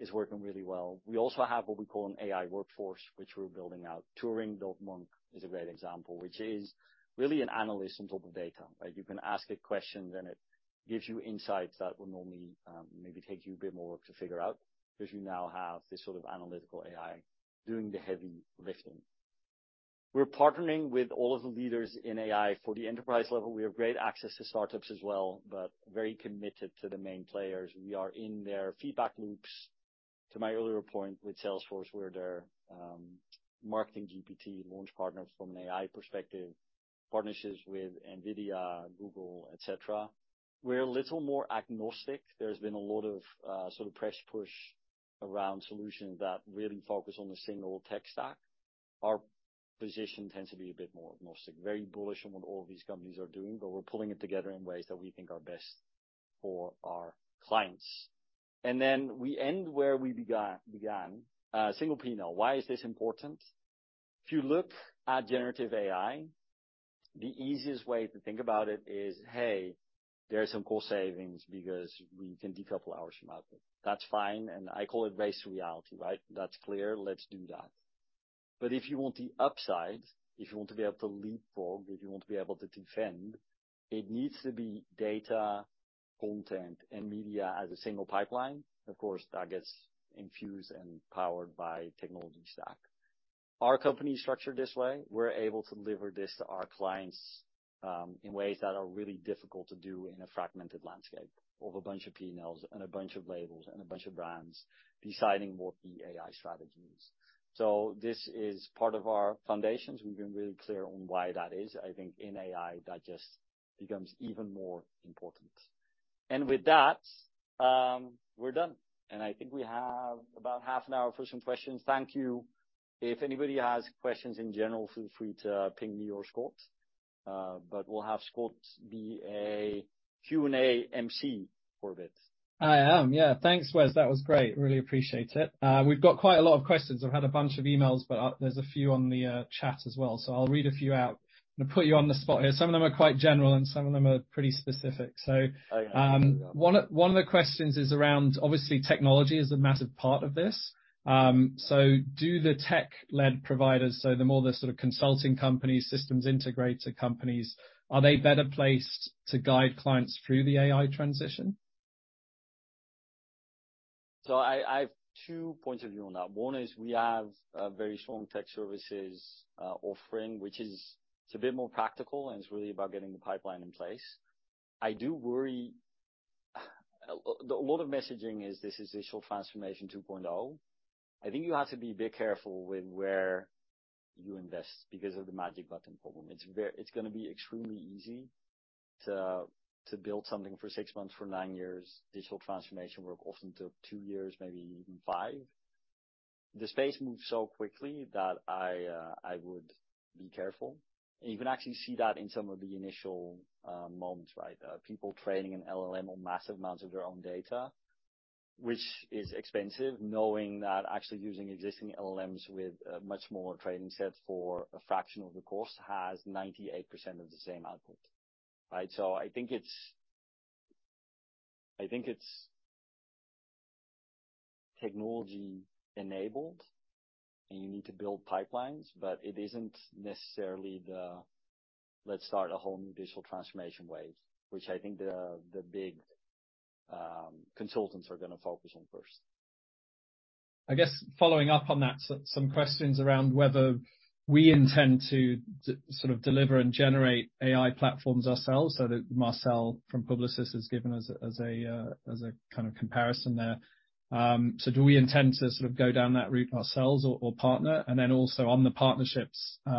is working really well. We also have what we call an AI workforce, which we're building out. Turing.Monks is a great example, which is really an analyst on top of data, right? You can ask it questions, it gives you insights that would normally maybe take you a bit more work to figure out, because you now have this sort of analytical AI doing the heavy lifting. We're partnering with all of the leaders in AI for the enterprise level. We have great access to startups as well, very committed to the main players. We are in their feedback loops. To my earlier point, with Salesforce, we're their Marketing GPT launch partners from an AI perspective, partnerships with NVIDIA, Google, et cetera. We're a little more agnostic. There's been a lot of sort of press push around solutions that really focus on a single tech stack. Our position tends to be a bit more agnostic, very bullish on what all of these companies are doing, but we're pulling it together in ways that we think are best for our clients. Then we end where we began. Single P&L, why is this important? If you look at generative AI, the easiest way to think about it is, hey, there are some cost savings because we can decouple hours from output. That's fine, and I call it base reality, right? That's clear. Let's do that. If you want the upside, if you want to be able to leapfrog, if you want to be able to defend, it needs to be data, content, and media as a single pipeline. Of course, that gets infused and powered by technology stack. Our company is structured this way. We're able to deliver this to our clients, in ways that are really difficult to do in a fragmented landscape of a bunch of P&Ls and a bunch of labels and a bunch of brands deciding what the AI strategy is. This is part of our foundations. We've been really clear on why that is. I think in AI, that just becomes even more important. With that, we're done, and I think we have about half an hour for some questions. Thank you. If anybody has questions in general, feel free to ping me or Scott, but we'll have Scott be a Q&A MC for a bit. I am, yeah. Thanks, Wes. That was great. Really appreciate it. We've got quite a lot of questions. I've had a bunch of emails, but there's a few on the chat as well, so I'll read a few out. I'm gonna put you on the spot here. Some of them are quite general, and some of them are pretty specific. Okay. One of the questions is around. Obviously, technology is a massive part of this. Do the tech-led providers, so the more the sort of consulting companies, systems integrator companies, are they better placed to guide clients through the AI transition? I have two points of view on that. One is we have a very strong tech services offering, which is. It's a bit more practical, and it's really about getting the pipeline in place. I do worry, a lot of messaging is this is digital transformation 2.0. I think you have to be a bit careful with where you invest because of the magic button problem. It's gonna be extremely easy to build something for six months, for nine years. Digital transformation work often took two years, maybe even five. The space moves so quickly that I would be careful. You can actually see that in some of the initial moments, right? People training an LLM on massive amounts of their own data, which is expensive, knowing that actually using existing LLMs with a much smaller training set for a fraction of the cost has 98% of the same output, right? I think it's, I think it's technology-enabled, and you need to build pipelines, but it isn't necessarily the let's start a whole new digital transformation wave, which I think the big consultants are gonna focus on first. I guess following up on that, some questions around whether we intend to sort of deliver and generate AI platforms ourselves, so that Marcel from Publicis has given us as a kind of comparison there. Do we intend to sort of go down that route ourselves or partner? Also on the partnerships, you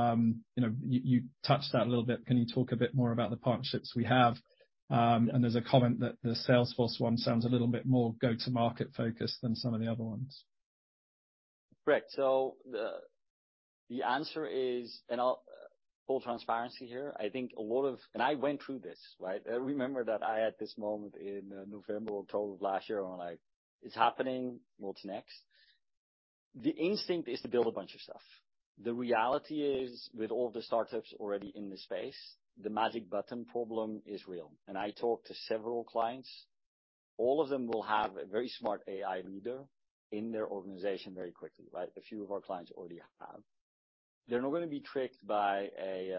know, you touched that a little bit. Can you talk a bit more about the partnerships we have? There's a comment that the Salesforce one sounds a little bit more go-to-market focused than some of the other ones. Correct. The answer is... Full transparency here, I think a lot of, and I went through this, right? I remember that I had this moment in November or October of last year, where I'm like: It's happening. What's next? The instinct is to build a bunch of stuff. The reality is, with all the startups already in the space, the magic button problem is real, and I talked to several clients. All of them will have a very smart AI leader in their organization very quickly, right? A few of our clients already have. They're not gonna be tricked by a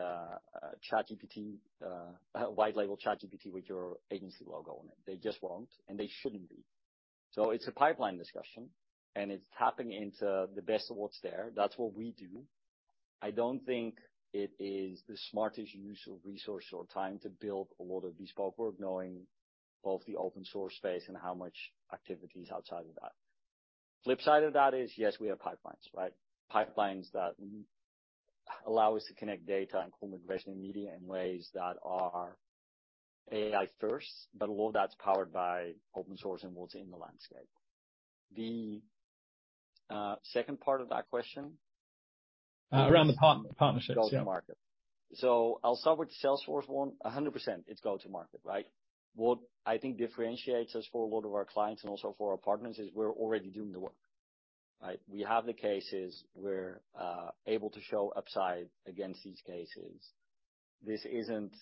ChatGPT, a white label ChatGPT with your agency logo on it. They just won't, and they shouldn't be. It's a pipeline discussion, and it's tapping into the best of what's there. That's what we do. I don't think it is the smartest use of resource or time to build a lot of bespoke work, knowing of the open source space and how much activity is outside of that. Flip side of that is, yes, we have pipelines, right? Pipelines that allow us to connect data and comb aggressive media in ways that are AI first, but all that's powered by open source and what's in the landscape. The second part of that question? Around the part, partnerships, yeah. Go-to-market. I'll start with the Salesforce one. 100%, it's go-to-market, right? What I think differentiates us for a lot of our clients and also for our partners, is we're already doing the work, right? We have the cases. We're able to show upside against these cases. This isn't,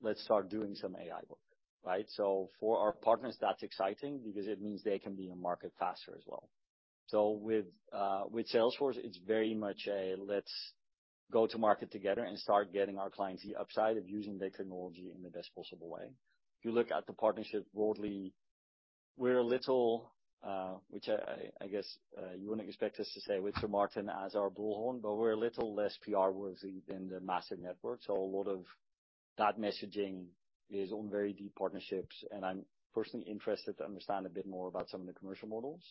let's start doing some AI work, right? For our partners, that's exciting because it means they can be in the market faster as well. With Salesforce, it's very much a let's go to market together and start getting our clients the upside of using the technology in the best possible way. If you look at the partnership broadly, we're a little, which I guess, you wouldn't expect us to say with Sir Martin as our bullhorn, but we're a little less PR-worthy than the massive network. A lot of that messaging is on very deep partnerships, and I'm personally interested to understand a bit more about some of the commercial models.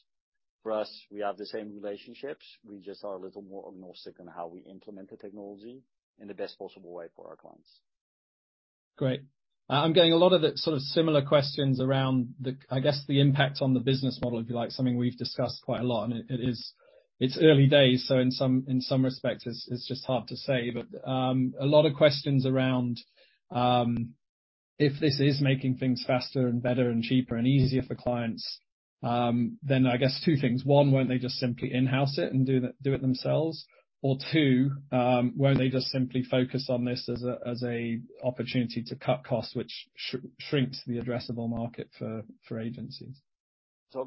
For us, we have the same relationships. We just are a little more agnostic on how we implement the technology in the best possible way for our clients. Great. I'm getting a lot of the sort of similar questions around the, I guess, the impact on the business model, if you like, something we've discussed quite a lot. It, it's early days, so in some, in some respects, it's just hard to say. A lot of questions around, if this is making things faster and better and cheaper and easier for clients, then I guess two things. One, won't they just simply in-house it and do it themselves? Two, won't they just simply focus on this as a opportunity to cut costs, which shrinks the addressable market for agencies?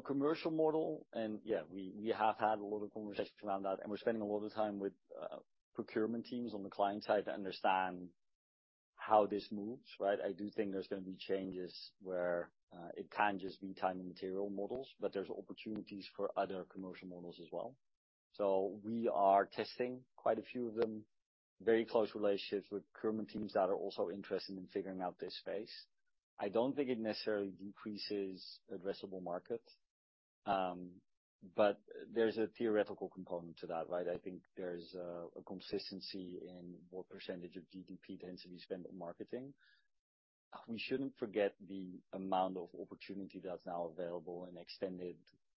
Commercial model. Yeah, we have had a lot of conversations around that. We're spending a lot of time with procurement teams on the client side to understand how this moves, right? I do think there's gonna be changes where it can't just be time and material models, but there's opportunities for other commercial models as well. We are testing quite a few of them, very close relationships with procurement teams that are also interested in figuring out this space. I don't think it necessarily decreases addressable market, but there's a theoretical component to that, right? I think there's a consistency in what percentage of GDP tends to be spent on marketing. We shouldn't forget the amount of opportunity that's now available in extended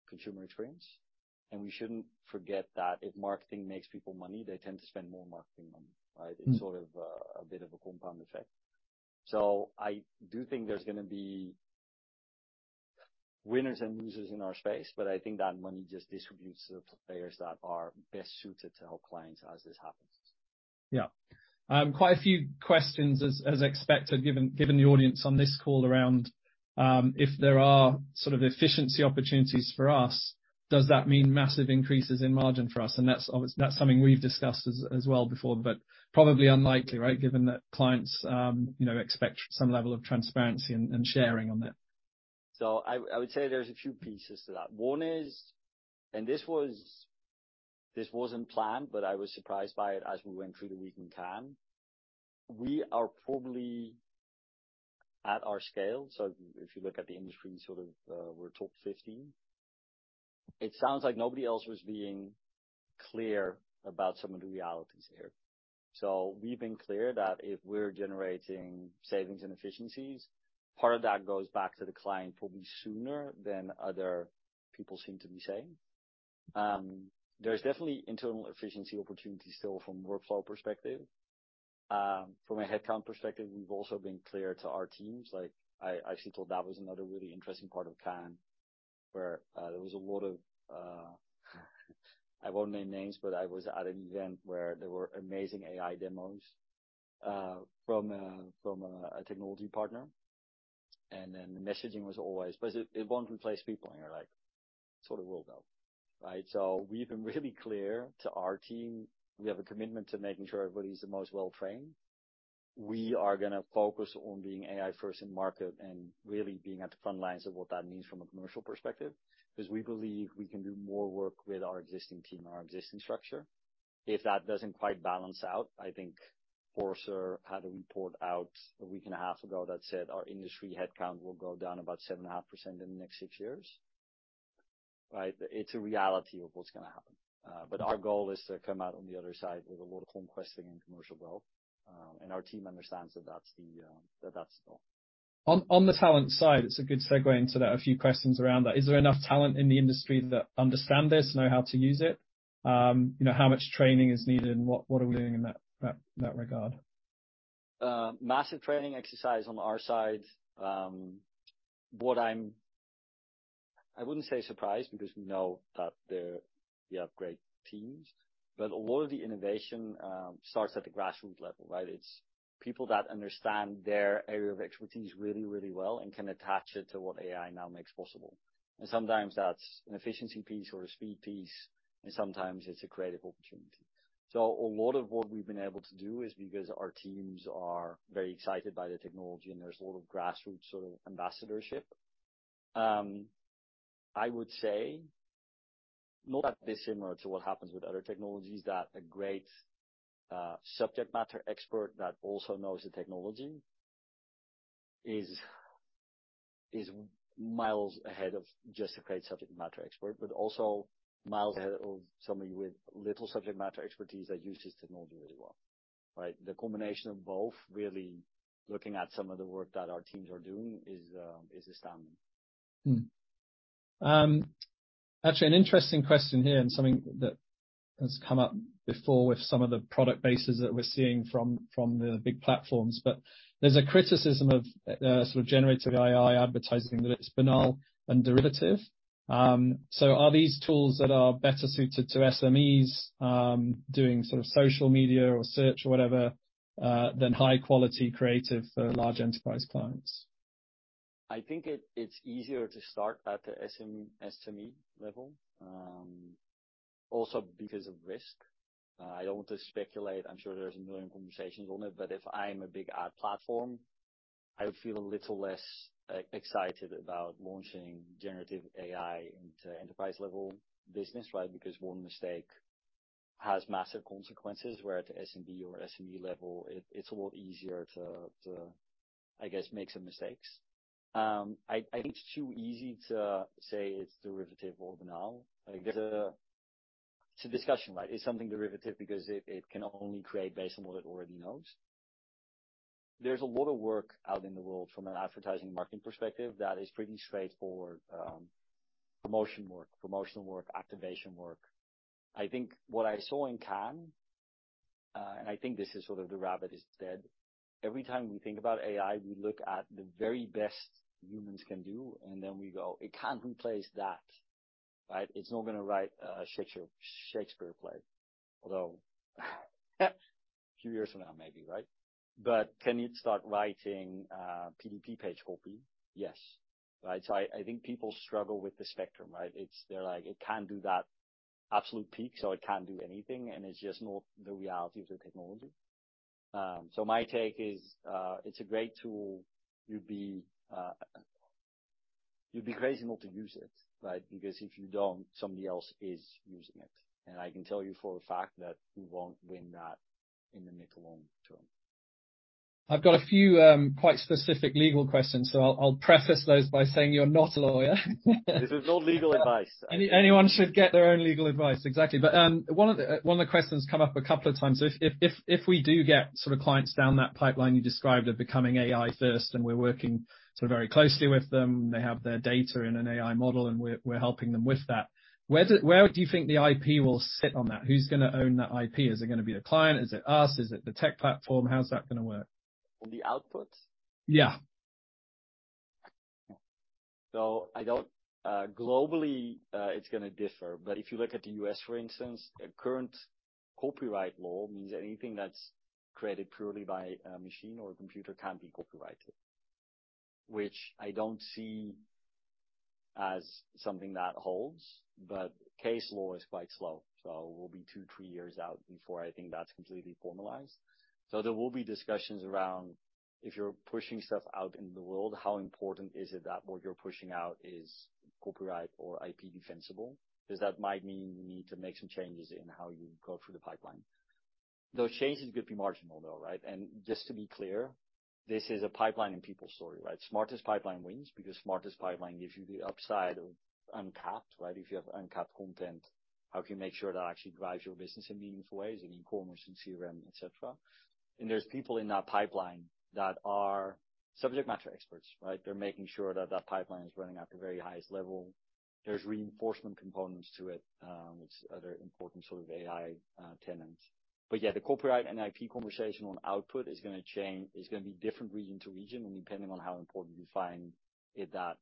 consumer experience. We shouldn't forget that if marketing makes people money they tend to spend more marketing money, right? Mm. It's sort of a bit of a compound effect. I do think there's gonna be winners and losers in our space, but I think that money just distributes to the players that are best suited to help clients as this happens. Yeah. Quite a few questions, as expected, given the audience on this call around, if there are sort of efficiency opportunities for us, does that mean massive increases in margin for us? That's something we've discussed as well before, but probably unlikely, right? Given that clients, you know, expect some level of transparency and sharing on that. I would say there's a few pieces to that. One is, this wasn't planned, but I was surprised by it as we went through the week in Cannes. We are probably at our scale, so if you look at the industry, sort of, we're top 15. It sounds like nobody else was being clear about some of the realities here. We've been clear that if we're generating savings and efficiencies, part of that goes back to the client probably sooner than other people seem to be saying. There's definitely internal efficiency opportunities still from a workflow perspective. From a headcount perspective, we've also been clear to our teams. I actually thought that was another really interesting part of Cannes, where there was a lot of, I won't name names, but I was at an event where there were amazing AI demos from a technology partner, then the messaging was always: "But it won't replace people." You're like, "Sort of will, though," right? We've been really clear to our team, we have a commitment to making sure everybody's the most well trained. We are gonna focus on being AI first in market and really being at the front lines of what that means from a commercial perspective, 'cause we believe we can do more work with our existing team and our existing structure. If that doesn't quite balance out, I think Forrester had a report out a week and a half ago that said our industry headcount will go down about 7.5% in the next six years. Right? It's a reality of what's gonna happen. Our goal is to come out on the other side with a lot of home questing and commercial growth, and our team understands that that's the goal. On the talent side, it's a good segue into that. A few questions around that. Is there enough talent in the industry that understand this, know how to use it? You know, how much training is needed and what are we doing in that regard? Massive training exercise on our side. What I wouldn't say surprised, because we know that there, we have great teams, but a lot of the innovation starts at the grassroots level, right. It's people that understand their area of expertise really, really well and can attach it to what AI now makes possible, and sometimes that's an efficiency piece or a speed piece, and sometimes it's a creative opportunity. A lot of what we've been able to do is because our teams are very excited by the technology, and there's a lot of grassroots sort of ambassadorship. I would say not that dissimilar to what happens with other technologies, that a great subject matter expert that also knows the technology is miles ahead of just a great subject matter expert, but also miles ahead of somebody with little subject matter expertise that uses technology really well, right? The combination of both, really looking at some of the work that our teams are doing is astounding. Actually, an interesting question here and something that has come up before with some of the product bases that we're seeing from the big platforms, but there's a criticism of, sort of generative AI advertising, that it's banal and derivative. Are these tools that are better suited to SMEs, doing sort of social media or search or whatever, than high-quality creative for large enterprise clients? I think it's easier to start at the SME level, also because of risk. I don't want to speculate. I'm sure there's one million conversations on it, but if I'm a big ad platform, I would feel a little less excited about launching generative AI into enterprise-level business, right? Because one mistake has massive consequences, where at the SMB or SME level, it's a lot easier to, I guess, make some mistakes. I think it's too easy to say it's derivative or banal. Like, it's a discussion, right? Is something derivative because it can only create based on what it already knows? There's a lot of work out in the world from an advertising and marketing perspective that is pretty straightforward, promotion work, promotional work, activation work. I think what I saw in Cannes, I think this is sort of the rabbit is dead. Every time we think about AI, we look at the very best humans can do, and then we go, "It can't replace that," right? It's not gonna write a Shakespeare play, although, a few years from now, maybe, right? Can it start writing a PDP page copy? Yes. Right? I think people struggle with the spectrum, right? It's they're like, It can't do that absolute peak, so it can't do anything, and it's just not the reality of the technology. My take is, it's a great tool. You'd be, you'd be crazy not to use it, right? Because if you don't, somebody else is using it. I can tell you for a fact that we won't win that in the mid to long term. I've got a few, quite specific legal questions, so I'll preface those by saying you're not a lawyer. This is not legal advice. Anyone should get their own legal advice. Exactly. One of the questions come up a couple of times. If we do get sort of clients down that pipeline you described of becoming AI first, and we're working sort of very closely with them, they have their data in an AI model, and we're helping them with that, where do you think the IP will sit on that? Who's gonna own that IP? Is it gonna be the client? Is it us? Is it the tech platform? How's that gonna work? The output? Yeah. I don't globally, it's gonna differ, but if you look at the U.S, for instance, the current copyright law means anything that's created purely by a machine or a computer can't be copyrighted, which I don't see as something that holds, but case law is quite slow, so we'll be two, three years out before I think that's completely formalized. There will be discussions around if you're pushing stuff out into the world, how important is it that what you're pushing out is copyright or IP defensible? That might mean you need to make some changes in how you go through the pipeline. Those changes could be marginal, though, right? Just to be clear, this is a pipeline and people story, right? Smartest pipeline wins, smartest pipeline gives you the upside of uncapped, right? If you have uncapped content, how can you make sure that actually drives your business in meaningful ways, in e-commerce, in CRM, et cetera. There's people in that pipeline that are subject matter experts, right? They're making sure that that pipeline is running at the very highest level. There's reinforcement components to it, which are other important sort of AI tenants. Yeah, the copyright and IP conversation on output is gonna be different region to region, and depending on how important you find it, that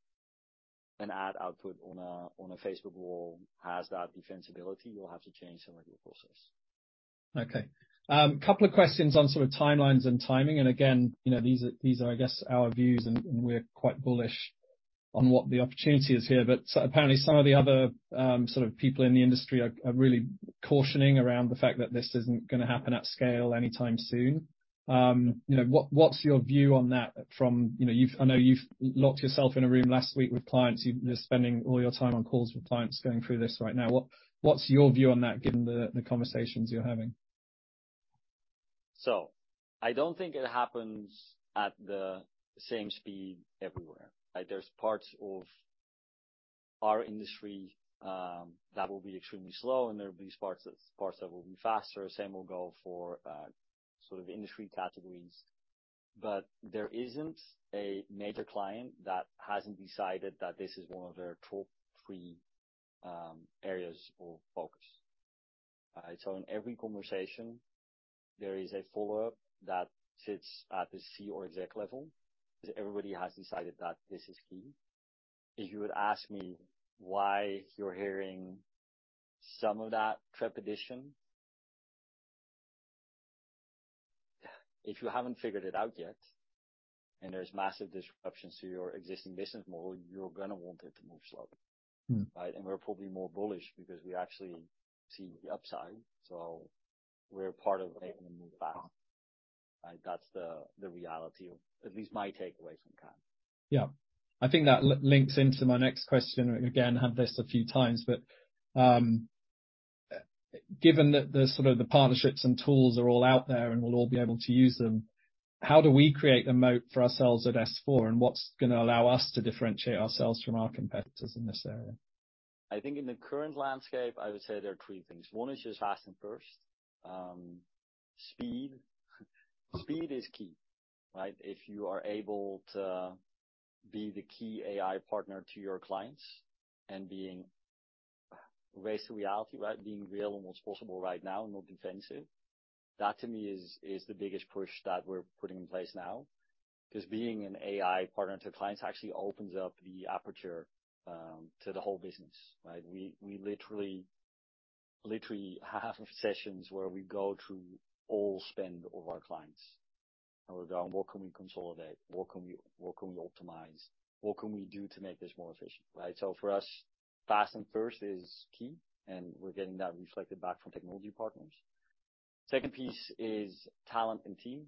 an ad output on a Facebook wall has that defensibility, you'll have to change some of your process. Okay. Couple of questions on sort of timelines and timing, and again, you know, these are, I guess, our views, and we're quite bullish on what the opportunity is here. Apparently some of the other sort of people in the industry are really cautioning around the fact that this isn't gonna happen at scale anytime soon. You know, what's your view on that from? You know, I know you've locked yourself in a room last week with clients. You're spending all your time on calls with clients going through this right now. What's your view on that, given the conversations you're having? I don't think it happens at the same speed everywhere. Like, there's parts of our industry that will be extremely slow, and there will be parts that will be faster. Same will go for sort of industry categories. There isn't a major client that hasn't decided that this is one of their top three areas of focus, right? In every conversation, there is a follow-up that sits at the C or exec level, because everybody has decided that this is key. If you would ask me why you're hearing some of that trepidation, if you haven't figured it out yet, and there's massive disruptions to your existing business model, you're gonna want it to move slowly. Mm. Right? We're probably more bullish because we actually see the upside, so we're part of making the move fast. Right? That's the reality of at least my takeaway from Cannes. Yeah. I think that links into my next question, again, had this a few times, but, given that the sort of the partnerships and tools are all out there, and we'll all be able to use them, how do we create the moat for ourselves at S4, and what's gonna allow us to differentiate ourselves from our competitors in this area? I think in the current landscape, I would say there are three things. One is just fast and first. Speed is key, right? If you are able to be the key AI partner to your clients and race to reality, right? Being real on what's possible right now, not defensive. That, to me, is the biggest push that we're putting in place now. 'Cause being an AI partner to clients actually opens up the aperture to the whole business, right? We literally have sessions where we go through all spend of our clients, and we go, What can we consolidate? What can we optimize? What can we do to make this more efficient, right? For us, fast and first is key, and we're getting that reflected back from technology partners. Second piece is talent and team,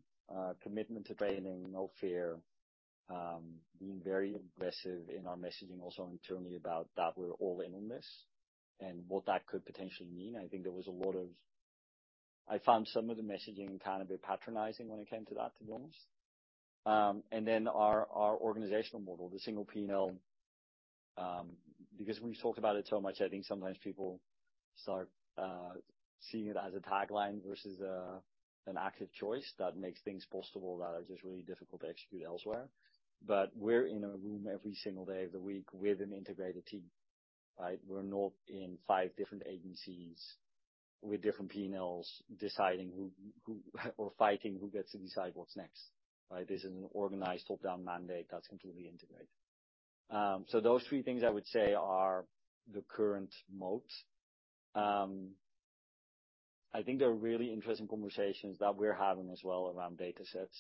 commitment to training, no fear, being very aggressive in our messaging also internally about that we're all in on this and what that could potentially mean. I found some of the messaging kind of a bit patronizing when it came to that, to be honest. Our organizational model, the single P&L. Because we've talked about it so much, I think sometimes people start seeing it as a tagline versus an active choice that makes things possible, that are just really difficult to execute elsewhere. We're in a room every single day of the week with an integrated team, right? We're not in five different agencies with different P&Ls, deciding who or fighting, who gets to decide what's next, right? This is an organized, top-down mandate that's completely integrated. Those three things I would say are the current moat. I think there are really interesting conversations that we're having as well around data sets.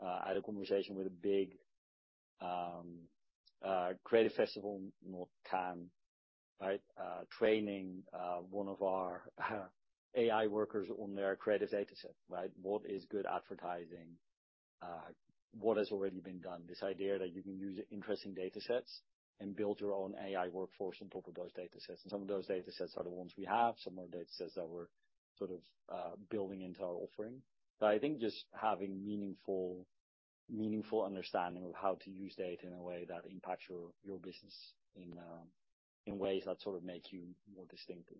I had a conversation with a big creative festival, not Cannes, right? Training one of our AI workers on their creative data set, right? What is good advertising? What has already been done? This idea that you can use interesting data sets and build your own AI workforce on top of those data sets. Some of those data sets are the ones we have, some more data sets that we're sort of building into our offering. I think just having meaningful understanding of how to use data in a way that impacts your business in ways that sort of make you more distinctive.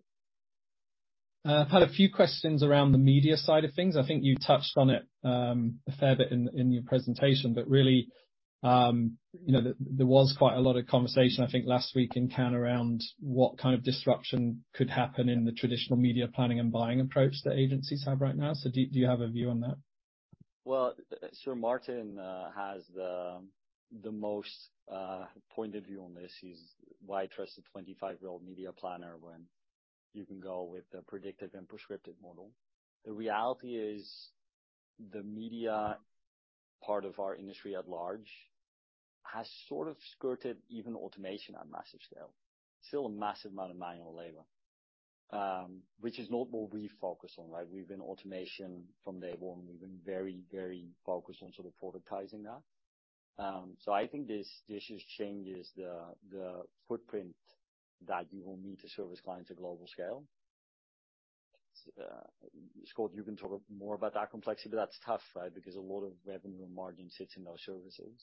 I've had a few questions around the media side of things. I think you touched on it, a fair bit in your presentation, but really, you know, there was quite a lot of conversation, I think, last week in Cannes, around what kind of disruption could happen in the traditional media planning and buying approach that agencies have right now. Do you have a view on that? Martin has the most point of view on this. Why trust a 25-year-old media planner when you can go with the predictive and prescriptive model? The reality is, the media part of our industry at large has sort of skirted even automation at massive scale. Still a massive amount of manual labor, which is not what we focus on, right? We've been automation from day one. We've been very focused on sort of productizing that. I think this just changes the footprint that you will need to service clients at global scale. Scott, you can talk more about that complexity, but that's tough, right? Because a lot of revenue and margin sits in those services.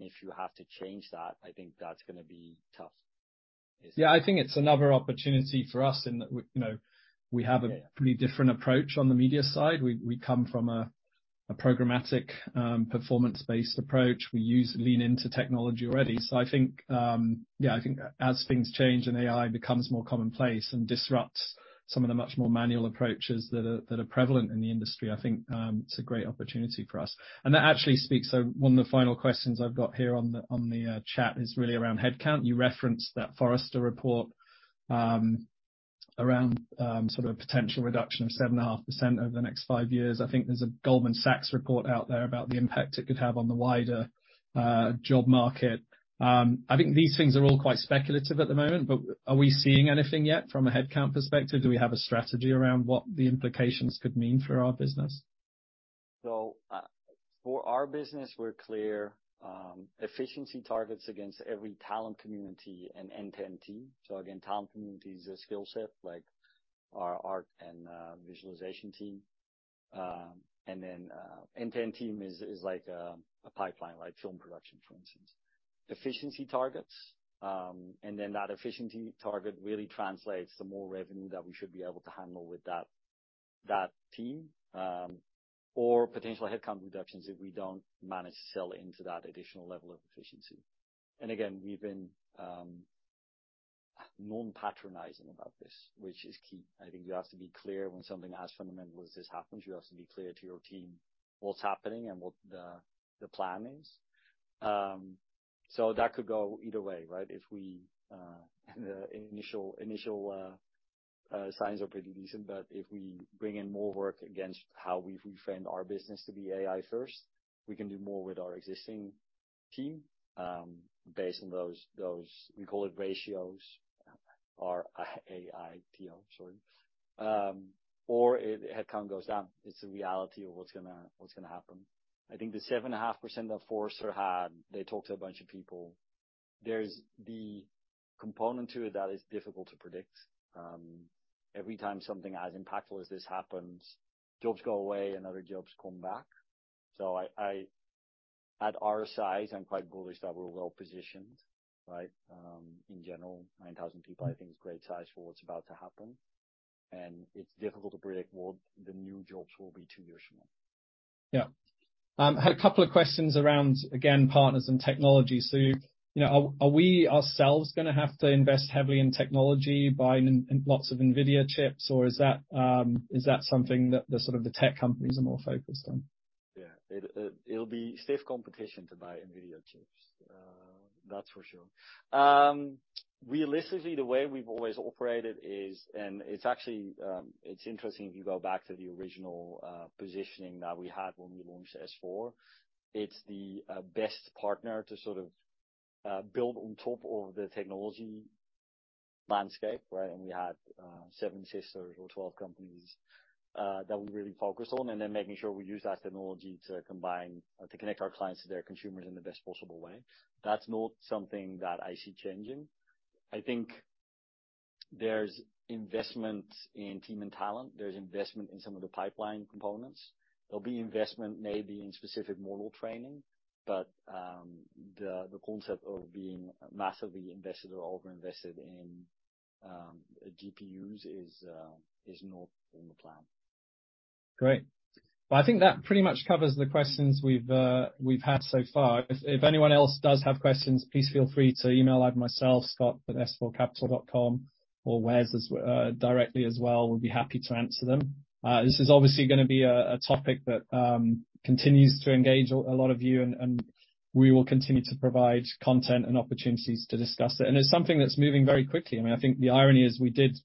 If you have to change that, I think that's gonna be tough. Yeah, I think it's another opportunity for us in that we, you know, we have. Yeah Pretty different approach on the media side. We come from a programmatic, performance-based approach. We use lean into technology already. I think, I think as things change and AI becomes more commonplace and disrupts some of the much more manual approaches that are prevalent in the industry, I think it's a great opportunity for us. That actually speaks to one of the final questions I've got here on the chat, is really around headcount. You referenced that Forrester report around sort of potential reduction of 7.5% over the next five years. I think there's a Goldman Sachs report out there about the impact it could have on the wider job market. I think these things are all quite speculative at the moment, but are we seeing anything yet from a headcount perspective? Do we have a strategy around what the implications could mean for our business? For our business, we're clear efficiency targets against every talent community and end-to-end team. Again, talent community is a skill set, like our art and visualization team. End-to-end team is like a pipeline, like film production, for instance. Efficiency targets, that efficiency target really translates to more revenue that we should be able to handle with that team or potential headcount reductions if we don't manage to sell into that additional level of efficiency. Again, we've been non-patronizing about this, which is key. I think you have to be clear when something as fundamental as this happens, you have to be clear to your team what's happening and what the plan is. That could go either way, right? If we, the initial signs are pretty decent, but if we bring in more work against how we've reframed our business to be AI first, we can do more with our existing team, based on those we call it ratios, or AITO, sorry. If headcount goes down, it's a reality of what's gonna happen. I think the 7.5% that Forrester had, they talked to a bunch of people. There's the component to it that is difficult to predict. Every time something as impactful as this happens, jobs go away and other jobs come back. I, at our size, I'm quite bullish that we're well-positioned, right? In general, 9,000 people, I think, is a great size for what's about to happen. It's difficult to predict what the new jobs will be two years from now. Yeah. I had a couple of questions around, again, partners and technology. you know, are we ourselves gonna have to invest heavily in technology, buying in, lots of NVIDIA chips, or is that, is that something that the sort of the tech companies are more focused on? Yeah. It'll be stiff competition to buy NVIDIA chips, that's for sure. Realistically, the way we've always operated is... it's actually, it's interesting, if you go back to the original positioning that we had when we launched S4. It's the best partner to sort of build on top of the technology landscape, right? We had seven sisters or 12 companies that we really focus on, and then making sure we use that technology to combine to connect our clients to their consumers in the best possible way. That's not something that I see changing. I think there's investment in team and talent. There's investment in some of the pipeline components. There'll be investment maybe in specific model training, but the concept of being massively invested or overinvested in GPUs is not in the plan. Great. Well, I think that pretty much covers the questions we've had so far. If anyone else does have questions, please feel free to email either myself, Scott@s4capital.com, or Wes directly as well. We'll be happy to answer them. This is obviously gonna be a topic that continues to engage a lot of you, and we will continue to provide content and opportunities to discuss it. It's something that's moving very quickly. I mean, I think the irony is we did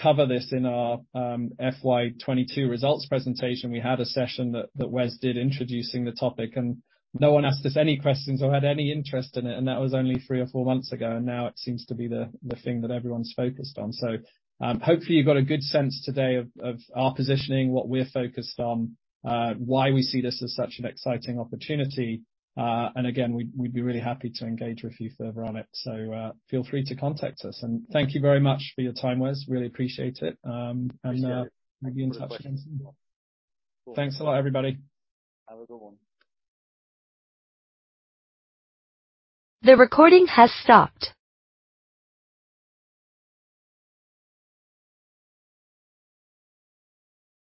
cover this in our FY 2022 results presentation. We had a session that Wes did, introducing the topic, and no one asked us any questions or had any interest in it, and that was only three or four months ago, and now it seems to be the thing that everyone's focused on. Hopefully, you got a good sense today of our positioning, what we're focused on, why we see this as such an exciting opportunity. Again, we'd be really happy to engage with you further on it. Feel free to contact us, thank you very much for your time, Wes. Really appreciate it. Appreciate it. We'll be in touch. Thanks a lot, everybody. Have a good one. The recording has stopped.